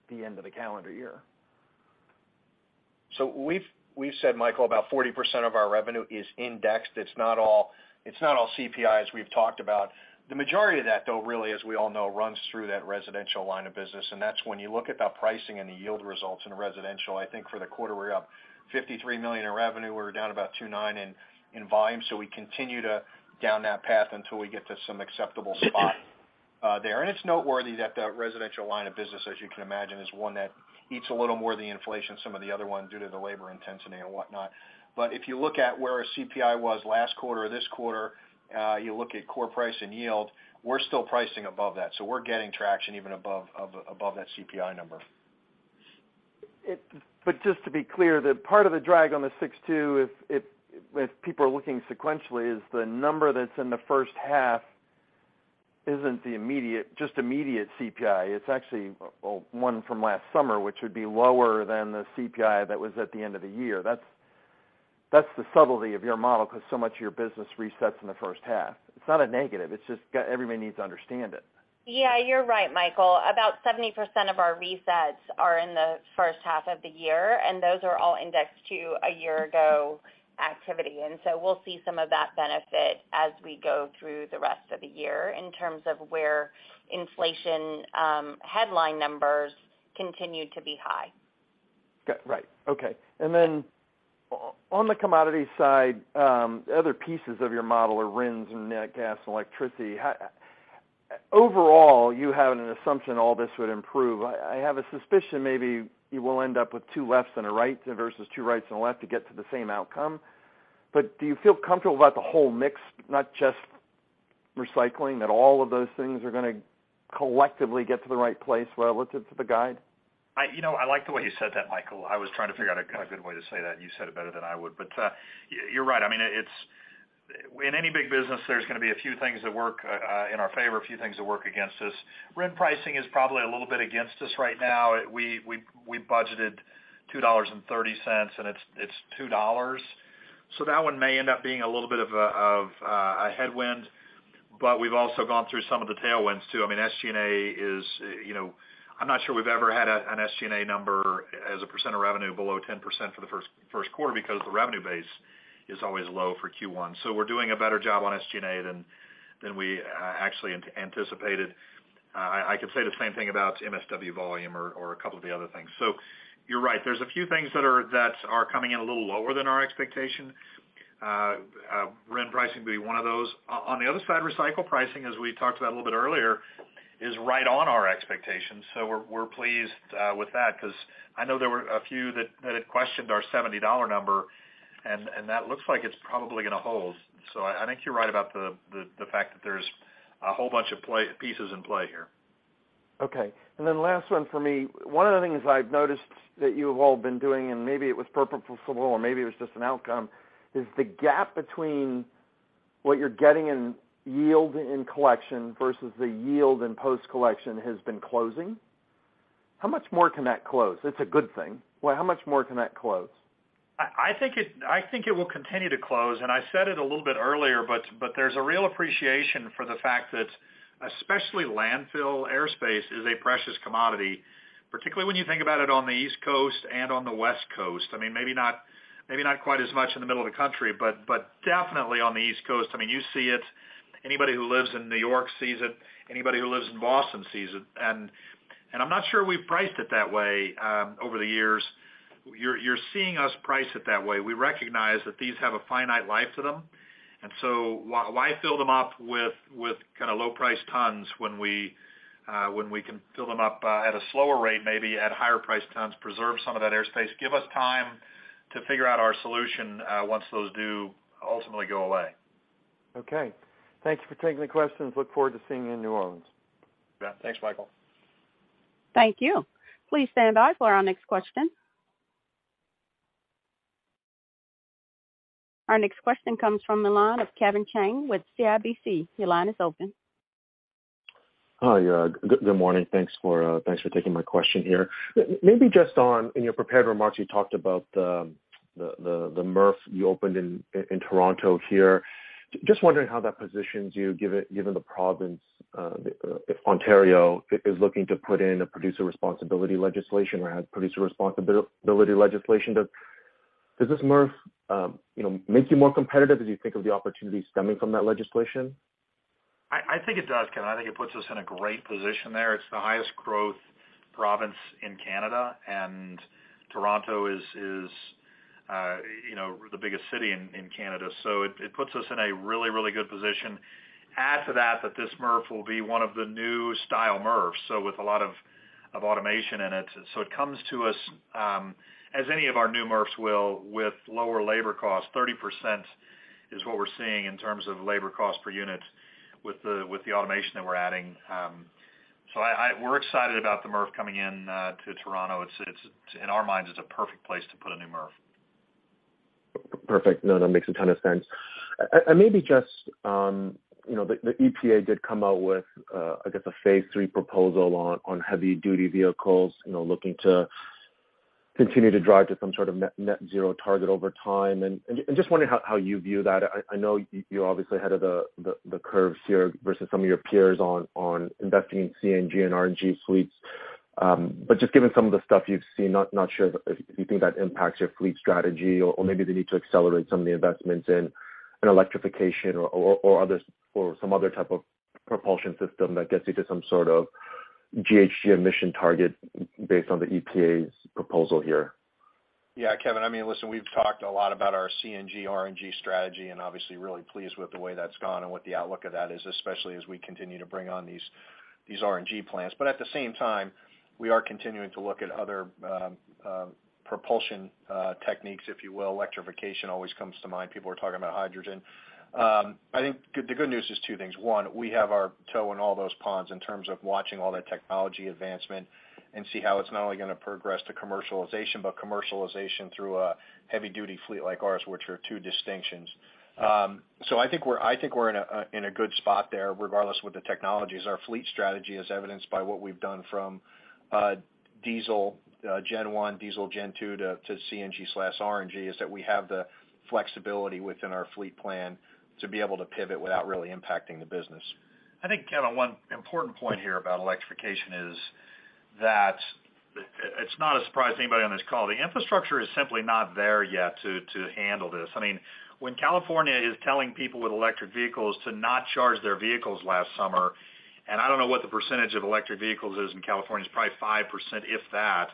the end of the calendar year. We've said, Michael, about 40% of our revenue is indexed. It's not all, it's not all CPI, as we've talked about. The majority of that, though, really, as we all know, runs through that residential line of business, and that's when you look at the pricing and the yield results in residential. I think for the quarter, we're up $53 million in revenue. We're down about 2.9 in volume, so we continue to down that path until we get to some acceptable spot there. It's noteworthy that the residential line of business, as you can imagine, is one that eats a little more of the inflation, some of the other ones due to the labor intensity and whatnot. If you look at where our CPI was last quarter or this quarter, you look at core price and yield, we're still pricing above that. We're getting traction even above that CPI number. Just to be clear, the part of the drag on the 6.2, if people are looking sequentially, is the number that's in the first half isn't the immediate, just immediate CPI. It's actually one from last summer, which would be lower than the CPI that was at the end of the year. That's the subtlety of your model because so much of your business resets in the first half. It's not a negative. It's just everybody needs to understand it. Yeah, you're right, Michael. About 70% of our resets are in the first half of the year, and those are all indexed to a year ago activity. So we'll see some of that benefit as we go through the rest of the year in terms of where inflation, headline numbers continue to be high. Okay. Right. Okay. On the commodity side, other pieces of your model are RINs and nat gas and electricity. Overall, you had an assumption all this would improve. I have a suspicion maybe you will end up with two lefts and a right versus two rights and a left to get to the same outcome. Do you feel comfortable about the whole mix, not just recycling, that all of those things are gonna collectively get to the right place relative to the guide? I, you know, I like the way you said that, Michael. I was trying to figure out a good way to say that, and you said it better than I would. You're right. I mean, it's. In any big business, there's gonna be a few things that work in our favor, a few things that work against us. RIN pricing is probably a little bit against us right now. We budgeted $2.30, and it's $2. That one may end up being a little bit of a headwind, but we've also gone through some of the tailwinds, too. I mean, SG&A is, you know, I'm not sure we've ever had an SG&A number as a percent of revenue below 10% for the first quarter because the revenue base is always low for Q1. we're doing a better job on SG&A than we actually anticipated. I could say the same thing about MSW volume or a couple of the other things. You're right. There's a few things that are coming in a little lower than our expectation. RIN pricing would be one of those. On the other side, recycle pricing, as we talked about a little bit earlier, is right on our expectations. we're pleased with that because I know there were a few that had questioned our $70 number, and that looks like it's probably gonna hold. I think you're right about the fact that there's a whole bunch of pieces in play here. Okay. Last one for me. One of the things I've noticed that you have all been doing, and maybe it was purposeful, or maybe it was just an outcome, is the gap between what you're getting in yield in collection versus the yield in post-collection has been closing. How much more can that close? It's a good thing. How much more can that close? I think it will continue to close. I said it a little bit earlier, but there's a real appreciation for the fact that especially landfill airspace is a precious commodity. Particularly when you think about it on the East Coast and on the West Coast. I mean, maybe not quite as much in the middle of the country, but definitely on the East Coast. I mean, you see it. Anybody who lives in New York sees it. Anybody who lives in Boston sees it. I'm not sure we've priced it that way over the years. You're seeing us price it that way. We recognize that these have a finite life to them. Why fill them up with kinda low price tons when we can fill them up at a slower rate, maybe at higher price tons, preserve some of that airspace, give us time to figure out our solution once those do ultimately go away. Okay. Thanks for taking the questions. Look forward to seeing you in New Orleans. Yeah. Thanks, Michael. Thank you. Please stand by for our next question. Our next question comes from the line of Kevin Chiang with CIBC. Your line is open. Hi. good morning. Thanks for taking my question here. Maybe just on, in your prepared remarks, you talked about the MRF you opened in Toronto here. Just wondering how that positions you given the province, Ontario is looking to put in a producer responsibility legislation or has producer responsibility legislation. Does this MRF, you know, make you more competitive as you think of the opportunities stemming from that legislation? I think it does, Kevin Chiang. I think it puts us in a great position there. It's the highest growth province in Canada, Toronto is, you know, the biggest city in Canada. It puts us in a really good position. Add to that this MRF will be one of the new style MRFs, with a lot of automation in it. It comes to us, as any of our new MRFs will, with lower labor costs. 30% is what we're seeing in terms of labor cost per unit with the automation that we're adding. We're excited about the MRF coming in to Toronto. It's, in our minds, it's a perfect place to put a new MRF. Perfect. No, that makes a ton of sense. Maybe just, you know, the EPA did come out with, I guess, a Phase 3 proposed rule on heavy-duty vehicles, you know, looking to continue to drive to some sort of net zero target over time. Just wondering how you view that. I know you're obviously ahead of the curve here versus some of your peers on investing in CNG and RNG fleets. But just given some of the stuff you've seen, not sure if you think that impacts your fleet strategy or maybe the need to accelerate some of the investments in an electrification or some other type of propulsion system that gets you to some sort of GHG emission target based on the EPA's proposal here. Kevin. I mean, listen, we've talked a lot about our CNG, RNG strategy, and obviously really pleased with the way that's gone and what the outlook of that is, especially as we continue to bring on these RNG plans. At the same time, we are continuing to look at other propulsion techniques, if you will. Electrification always comes to mind. People are talking about hydrogen. I think the good news is two things. One, we have our toe in all those ponds in terms of watching all that technology advancement and see how it's not only gonna progress to commercialization, but commercialization through a heavy duty fleet like ours, which are two distinctions. I think we're in a good spot there, regardless what the technology is. Our fleet strategy, as evidenced by what we've done from diesel, Gen 1, diesel Gen 2 to CNG/RNG, is that we have the flexibility within our fleet plan to be able to pivot without really impacting the business. I think, Kevin, one important point here about electrification is that it's not a surprise to anybody on this call. The infrastructure is simply not there yet to handle this. I mean, when California is telling people with electric vehicles to not charge their vehicles last summer, and I don't know what the percentage of electric vehicles is in California, it's probably 5%, if that,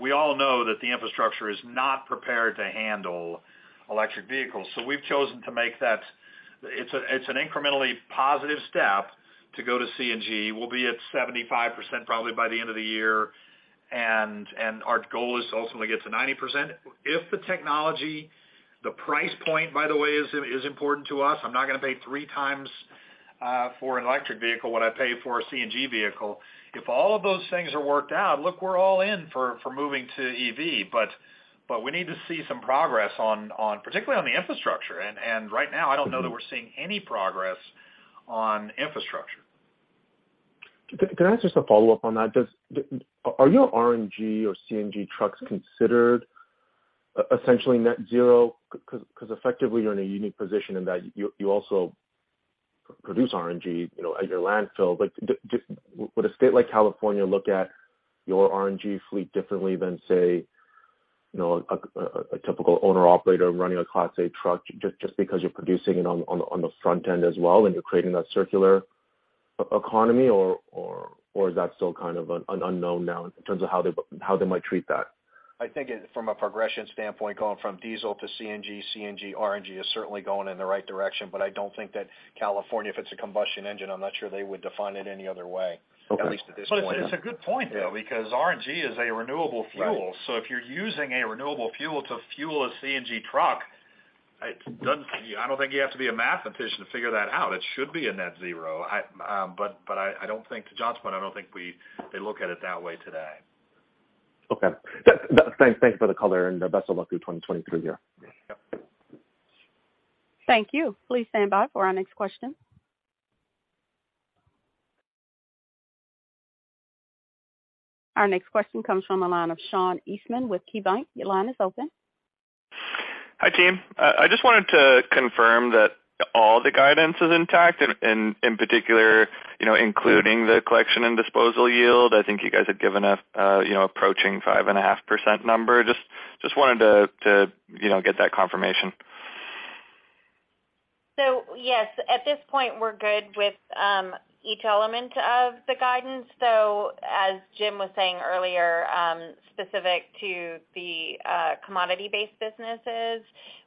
we all know that the infrastructure is not prepared to handle electric vehicles. We've chosen to make that... It's an incrementally positive step to go to CNG. We'll be at 75% probably by the end of the year, and our goal is to ultimately get to 90%. If the technology, the price point, by the way, is important to us, I'm not gonna pay three times for an electric vehicle what I pay for a CNG vehicle. If all of those things are worked out, look, we're all in for moving to EV, but we need to see some progress on particularly on the infrastructure. Right now I don't know that we're seeing any progress on infrastructure. Can I ask just a follow-up on that? Are your RNG or CNG trucks considered essentially net zero? Because effectively you're in a unique position in that you also produce RNG, you know, at your landfill. Would a state like California look at your RNG fleet differently than, say, you know, a typical owner-operator running a Class A truck just because you're producing it on the, on the front end as well, and you're creating that circular economy or is that still kind of an unknown now in terms of how they, how they might treat that? I think it from a progression standpoint, going from diesel to CNG, RNG is certainly going in the right direction. I don't think that California, if it's a combustion engine, I'm not sure they would define it any other way. Okay. At least at this point. It's a good point, though, because RNG is a renewable fuel. If you're using a renewable fuel to fuel a CNG truck, it doesn't. I don't think you have to be a mathematician to figure that out. It should be a net zero. I don't think to John's point, I don't think they look at it that way today. Okay. That. Thanks for the color and best of luck through 2023 here. Yep. Thank you. Please stand by for our next question. Our next question comes from the line of Sean Eastman with KeyBanc. Your line is open. Hi, team. I just wanted to confirm that all the guidance is intact and in particular, you know, including the collection and disposal yield. I think you guys had given a, you know, approaching 5.5% number. Just wanted to, you know, get that confirmation. Yes, at this point, we're good with each element of the guidance. As Jim was saying earlier, specific to the commodity-based businesses,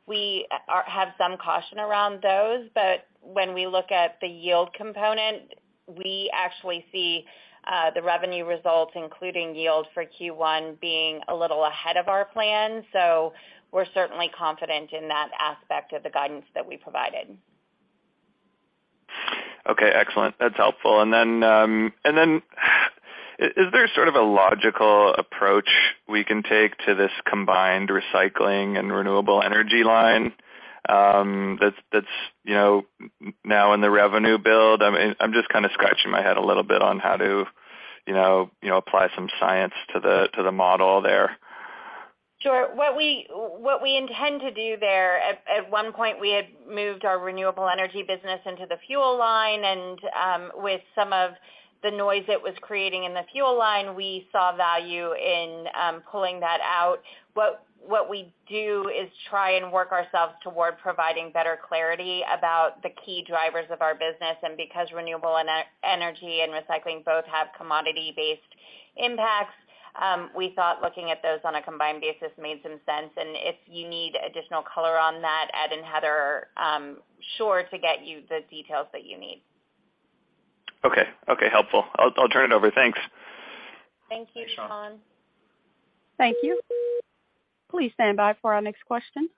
we have some caution around those. When we look at the yield component, we actually see the revenue results, including yield for Q1 being a little ahead of our plan. We're certainly confident in that aspect of the guidance that we provided. Okay, excellent. That's helpful. Is there sort of a logical approach we can take to this combined recycling and renewable energy line that's, you know, now in the revenue build? I'm just kind of scratching my head a little bit on how to, you know, apply some science to the model there. Sure. What we intend to do there, at one point we had moved our renewable energy business into the fuel line, with some of the noise it was creating in the fuel line, we saw value in pulling that out. What we do is try and work ourselves toward providing better clarity about the key drivers of our business. Because renewable energy and recycling both have commodity-based impacts, we thought looking at those on a combined basis made some sense. If you need additional color on that, Ed and Heather are sure to get you the details that you need. Okay. Okay. Helpful. I'll turn it over. Thanks. Thank you, Sean. Thanks, Sean. Thank you. Please stand by for our next question.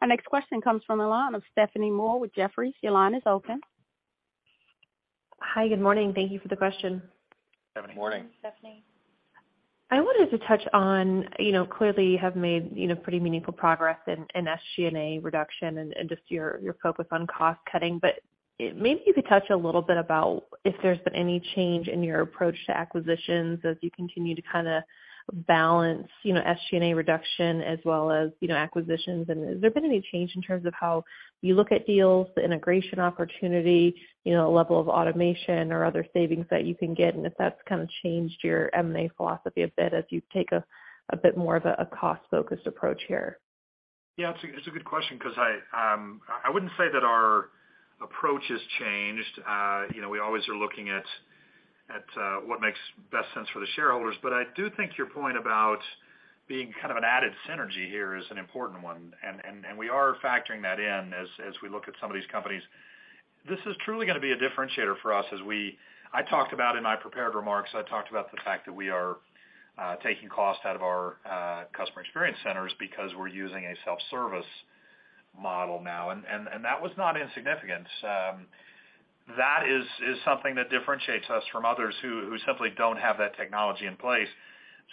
Our next question comes from the line of Stephanie Moore with Jefferies. Your line is open. Hi, good morning. Thank you for the question. Good morning. Good morning, Stephanie. I wanted to touch on, you know, clearly you have made, you know, pretty meaningful progress in SG&A reduction and just your focus on cost cutting. Maybe you could touch a little bit about if there's been any change in your approach to acquisitions as you continue to kinda balance, you know, SG&A reduction as well as, you know, acquisitions? Has there been any change in terms of how you look at deals, the integration opportunity, you know, level of automation or other savings that you can get, and if that's kind of changed your M&A philosophy a bit as you take a bit more of a cost-focused approach here? Yeah, it's a good question because I wouldn't say that our approach has changed. You know, we always are looking at what makes best sense for the shareholders. I do think your point about being kind of an added synergy here is an important one, and we are factoring that in as we look at some of these companies. This is truly gonna be a differentiator for us. I talked about in my prepared remarks, I talked about the fact that we are taking cost out of our customer experience centers because we're using a self-service model now, and that was not insignificant. That is something that differentiates us from others who simply don't have that technology in place.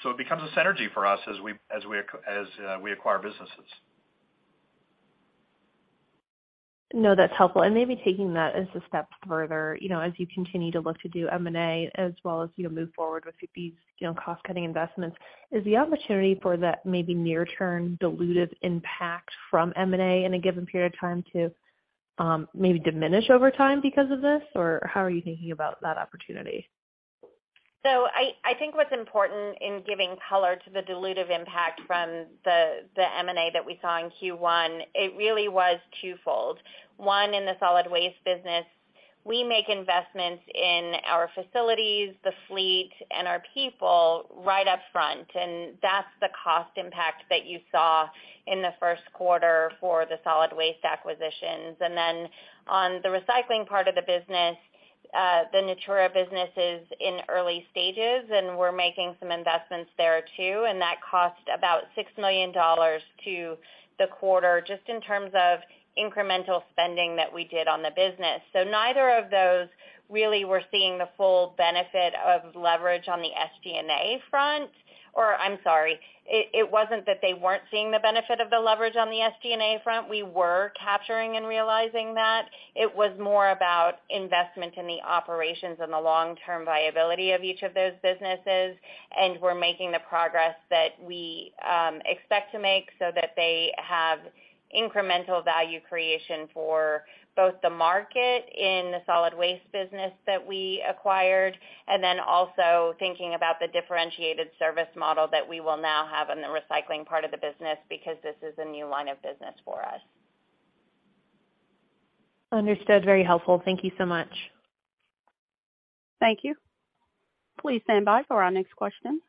It becomes a synergy for us as we acquire businesses. No, that's helpful. Maybe taking that as a step further, you know, as you continue to look to do M&A as well as, you know, move forward with these, you know, cost cutting investments, is the opportunity for that maybe near term dilutive impact from M&A in a given period of time to, maybe diminish over time because of this, or how are you thinking about that opportunity? I think what's important in giving color to the dilutive impact from the M&A that we saw in Q1, it really was twofold. One, in the solid waste business, we make investments in our facilities, the fleet and our people right up front, and that's the cost impact that you saw in the first quarter for the solid waste acquisitions. On the recycling part of the business, the Natura business is in early stages, and we're making some investments there too. That cost about $6 million to the quarter just in terms of incremental spending that we did on the business. Neither of those really were seeing the full benefit of leverage on the SG&A front. Or I'm sorry, it wasn't that they weren't seeing the benefit of the leverage on the SG&A front. We were capturing and realizing that. It was more about investment in the operations and the long-term viability of each of those businesses. We're making the progress that we expect to make so that they have incremental value creation for both the market in the solid waste business that we acquired, and then also thinking about the differentiated service model that we will now have in the recycling part of the business because this is a new line of business for us. Understood. Very helpful. Thank you so much. Thank you. Please stand by for our next question.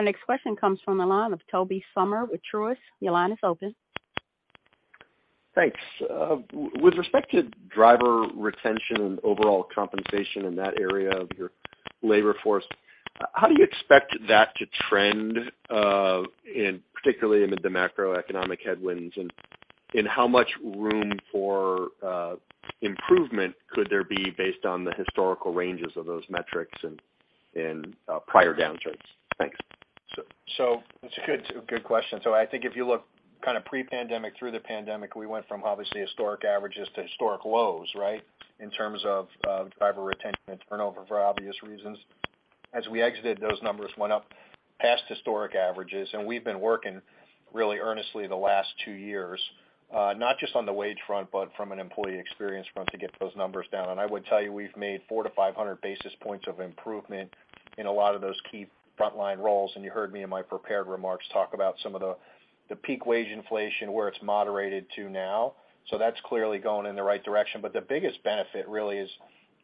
Our next question comes from the line of Tobey Sommer with Truist. Your line is open. Thanks. With respect to driver retention and overall compensation in that area of your labor force, how do you expect that to trend in, particularly amid the macroeconomic headwinds, and how much room for improvement could there be based on the historical ranges of those metrics in prior downturns? Thanks. It's a good question. I think if you look kind of pre-pandemic through the pandemic, we went from obviously historic averages to historic lows, right. In terms of driver retention and turnover for obvious reasons. As we exited, those numbers went up past historic averages. We've been working really earnestly the last two years, not just on the wage front, but from an employee experience front to get those numbers down. I would tell you, we've made 400-500 basis points of improvement in a lot of those key frontline roles. You heard me in my prepared remarks talk about some of the peak wage inflation, where it's moderated to now. That's clearly going in the right direction. The biggest benefit really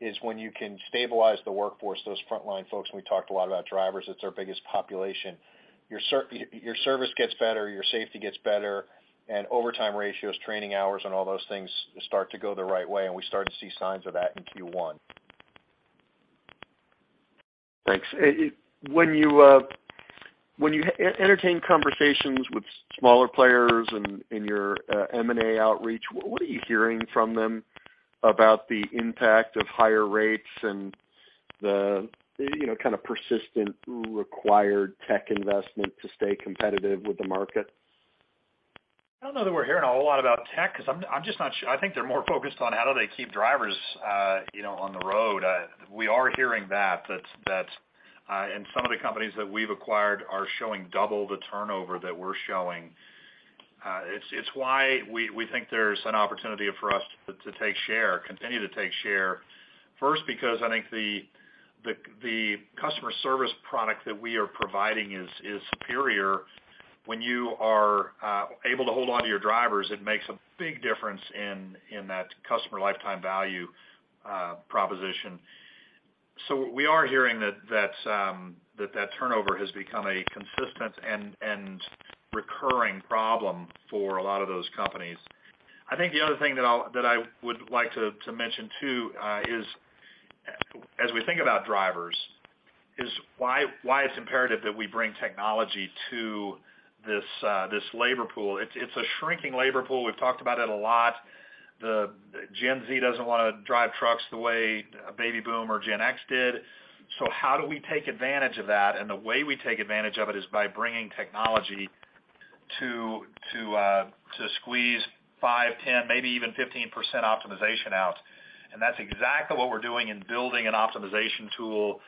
is when you can stabilize the workforce, those frontline folks, and we talked a lot about drivers, it's our biggest population. Your service gets better, your safety gets better, and overtime ratios, training hours, and all those things start to go the right way, and we start to see signs of that in Q1. Thanks. When you, when you entertain conversations with smaller players and in your M&A outreach, what are you hearing from them about the impact of higher rates and the, you know, kind of persistent required tech investment to stay competitive with the market? I don't know that we're hearing a whole lot about tech because I'm just not I think they're more focused on how do they keep drivers, you know, on the road. We are hearing that, that, and some of the companies that we've acquired are showing double the turnover that we're showing. It's why we think there's an opportunity for us to take share, continue to take share. First, because I think the customer service product that we are providing is superior. When you are able to hold on to your drivers, it makes a big difference in that customer lifetime value proposition. We are hearing that, that turnover has become a consistent and recurring problem for a lot of those companies. I think the other thing that I would like to mention too, is as we think about drivers is why it's imperative that we bring technology to this labor pool. It's, it's a shrinking labor pool. We've talked about it a lot. The Gen Z doesn't want to drive trucks the way a baby boomer or Gen X did. How do we take advantage of that? The way we take advantage of it is by bringing technology to, to squeeze 5%, 10%, maybe even 15% optimization out. That's exactly what we're doing in building an optimization tool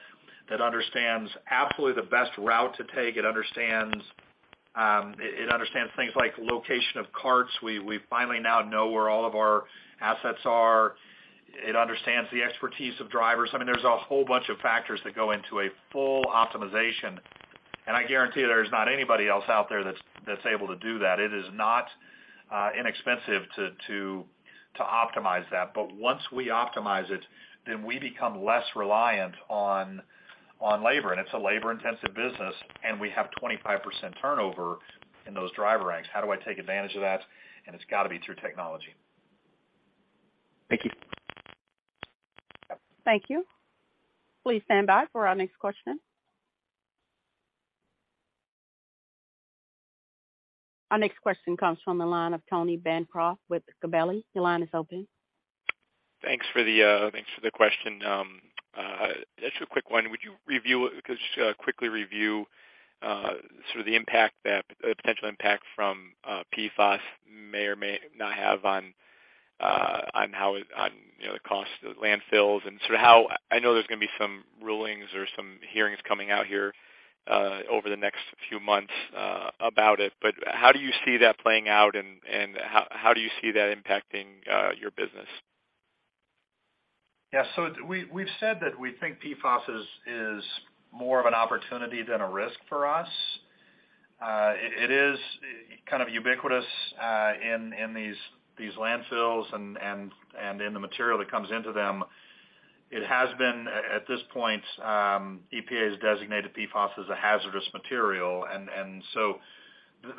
that understands absolutely the best route to take. It understands, it understands things like location of carts. We, we finally now know where all of our assets are. It understands the expertise of drivers. I mean, there's a whole bunch of factors that go into a full optimization. I guarantee there's not anybody else out there that's able to do that. It is not inexpensive to optimize that. Once we optimize it, then we become less reliant on labor, and it's a labor-intensive business, and we have 25% turnover in those driver ranks. How do I take advantage of that? It's got to be through technology. Thank you. Thank you. Please stand by for our next question. Our next question comes from the line of Tony Bancroft with Gabelli. Your line is open. Thanks for the question. Just a quick one. Would you review, just quickly review, sort of the potential impact from PFAS may or may not have on how it, on, you know, the cost of landfills and sort of how... I know there's going to be some rulings or some hearings coming out here over the next few months about it. How do you see that playing out, and how do you see that impacting your business? We've said that we think PFAS is more of an opportunity than a risk for us. It is kind of ubiquitous in these landfills and in the material that comes into them. It has been, at this point, EPA has designated PFAS as a hazardous material.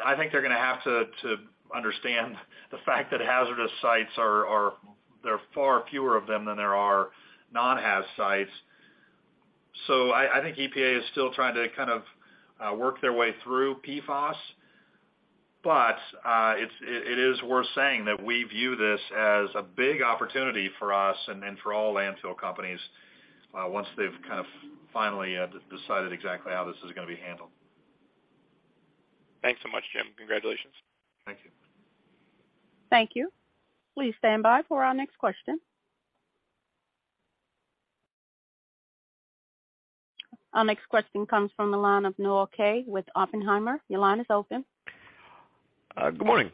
I think they're gonna have to understand the fact that hazardous sites are far fewer of them than there are non-haz sites. I think EPA is still trying to kind of work their way through PFAS. It is worth saying that we view this as a big opportunity for us and for all landfill companies, once they've kind of finally decided exactly how this is gonna be handled. Thanks so much, Jim. Congratulations. Thank you. Thank you. Please stand by for our next question. Our next question comes from the line of Noah Kaye with Oppenheimer. Your line is open. Good morning.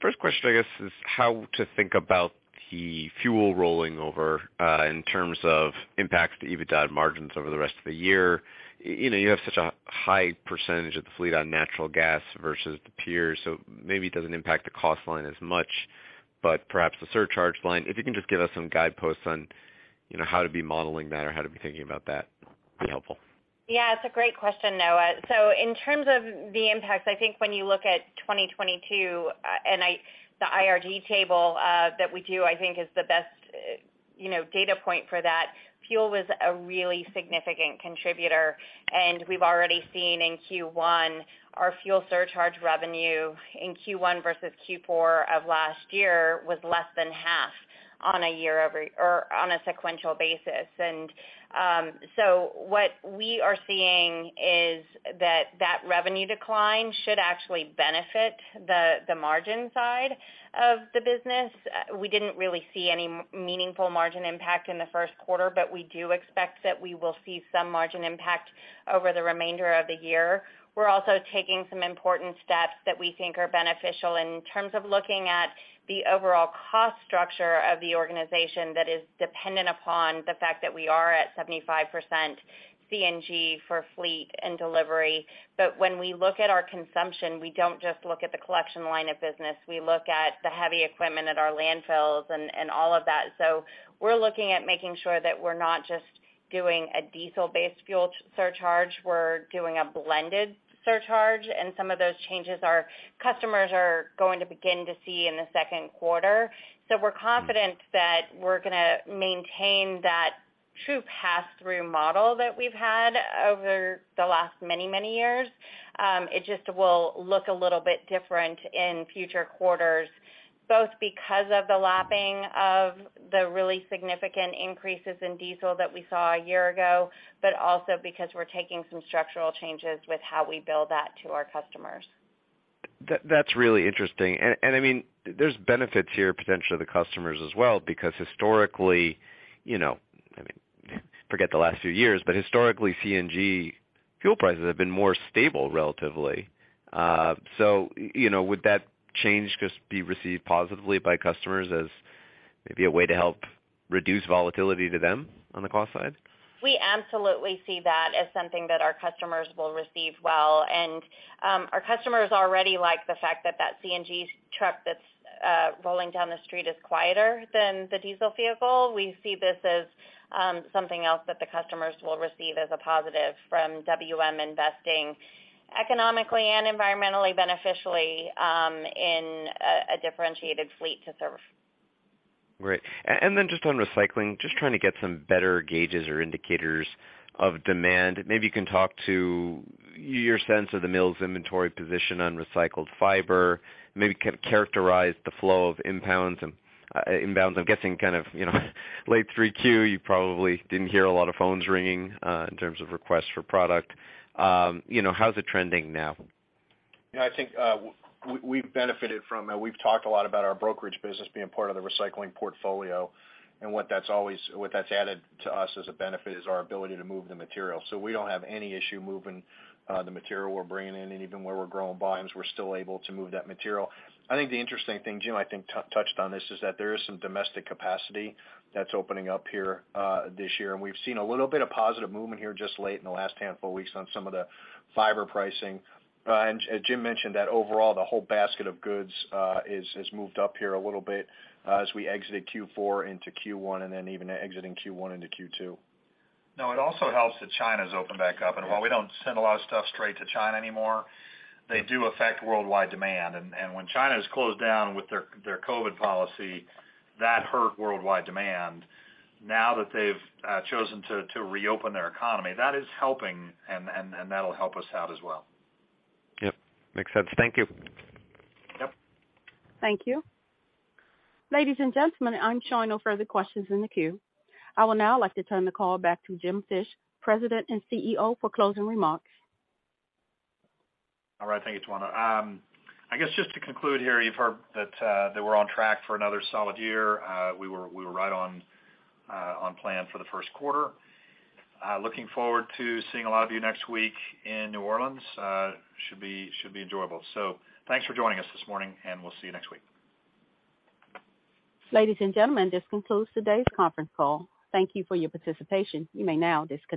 First question, I guess, is how to think about the fuel rolling over, in terms of impact to EBITDA margins over the rest of the year. You know, you have such a high percentage of the fleet on natural gas versus the peers, so maybe it doesn't impact the cost line as much, but perhaps the surcharge line. If you can just give us some guideposts on, you know, how to be modeling that or how to be thinking about that, be helpful. It's a great question, Noah. In terms of the impacts, I think when you look at 2022, the IRG table that we do, I think is the best, you know, data point for that. Fuel was a really significant contributor. We've already seen in Q1 our fuel surcharge revenue in Q1 versus Q4 of last year was less than half on a year-over-year or on a sequential basis. What we are seeing is that revenue decline should actually benefit the margin side of the business. We didn't really see any meaningful margin impact in the first quarter. We do expect that we will see some margin impact over the remainder of the year. We're also taking some important steps that we think are beneficial in terms of looking at the overall cost structure of the organization that is dependent upon the fact that we are at 75% CNG for fleet and delivery. When we look at our consumption, we don't just look at the collection line of business. We look at the heavy equipment at our landfills and all of that. We're looking at making sure that we're not just doing a diesel-based fuel surcharge, we're doing a blended surcharge. Some of those changes our customers are going to begin to see in the second quarter. We're confident that we're gonna maintain that true pass-through model that we've had over the last many, many years. It just will look a little bit different in future quarters, both because of the lapping of the really significant increases in diesel that we saw a year ago, but also because we're taking some structural changes with how we bill that to our customers. That's really interesting. I mean, there's benefits here potentially to the customers as well, because historically, you know, I mean forget the last few years, but historically, CNG fuel prices have been more stable relatively. You know, would that change just be received positively by customers as maybe a way to help reduce volatility to them on the cost side? We absolutely see that as something that our customers will receive well. Our customers already like the fact that that CNG truck that's rolling down the street is quieter than the diesel vehicle. We see this as something else that the customers will receive as a positive from WM investing economically and environmentally beneficially, in a differentiated fleet to serve. Great. Then just on recycling, just trying to get some better gauges or indicators of demand. Maybe you can talk to your sense of the mill's inventory position on recycled fiber. Maybe characterize the flow of impounds and inbounds. I'm guessing kind of, you know, late 3Q, you probably didn't hear a lot of phones ringing in terms of requests for product. You know, how's it trending now? Yeah, I think, we've benefited from, and we've talked a lot about our brokerage business being part of the recycling portfolio, what that's added to us as a benefit is our ability to move the material. We don't have any issue moving the material we're bringing in. Even where we're growing volumes, we're still able to move that material. I think the interesting thing, Jim, I think, touched on this, is that there is some domestic capacity that's opening up here this year. We've seen a little bit of positive movement here just late in the last handful of weeks on some of the fiber pricing. As Jim mentioned, that overall the whole basket of goods, has moved up here a little bit, as we exited Q4 into Q1, and then even exiting Q1 into Q2. No, it also helps that China's opened back up. While we don't send a lot of stuff straight to China anymore, they do affect worldwide demand. When China is closed down with their COVID policy, that hurt worldwide demand. Now that they've chosen to reopen their economy, that is helping and that'll help us out as well. Yep, makes sense. Thank you. Yep. Thank you. Ladies and gentlemen, I'm showing no further questions in the queue. I will now like to turn the call back to Jim Fish, President and CEO, for closing remarks. All right. Thank you, Tawanda. I guess just to conclude here, you've heard that we're on track for another solid year. We were right on plan for the first quarter. Looking forward to seeing a lot of you next week in New Orleans. Should be enjoyable. Thanks for joining us this morning, and we'll see you next week. Ladies and gentlemen, this concludes today's conference call. Thank you for your participation. You may now disconnect.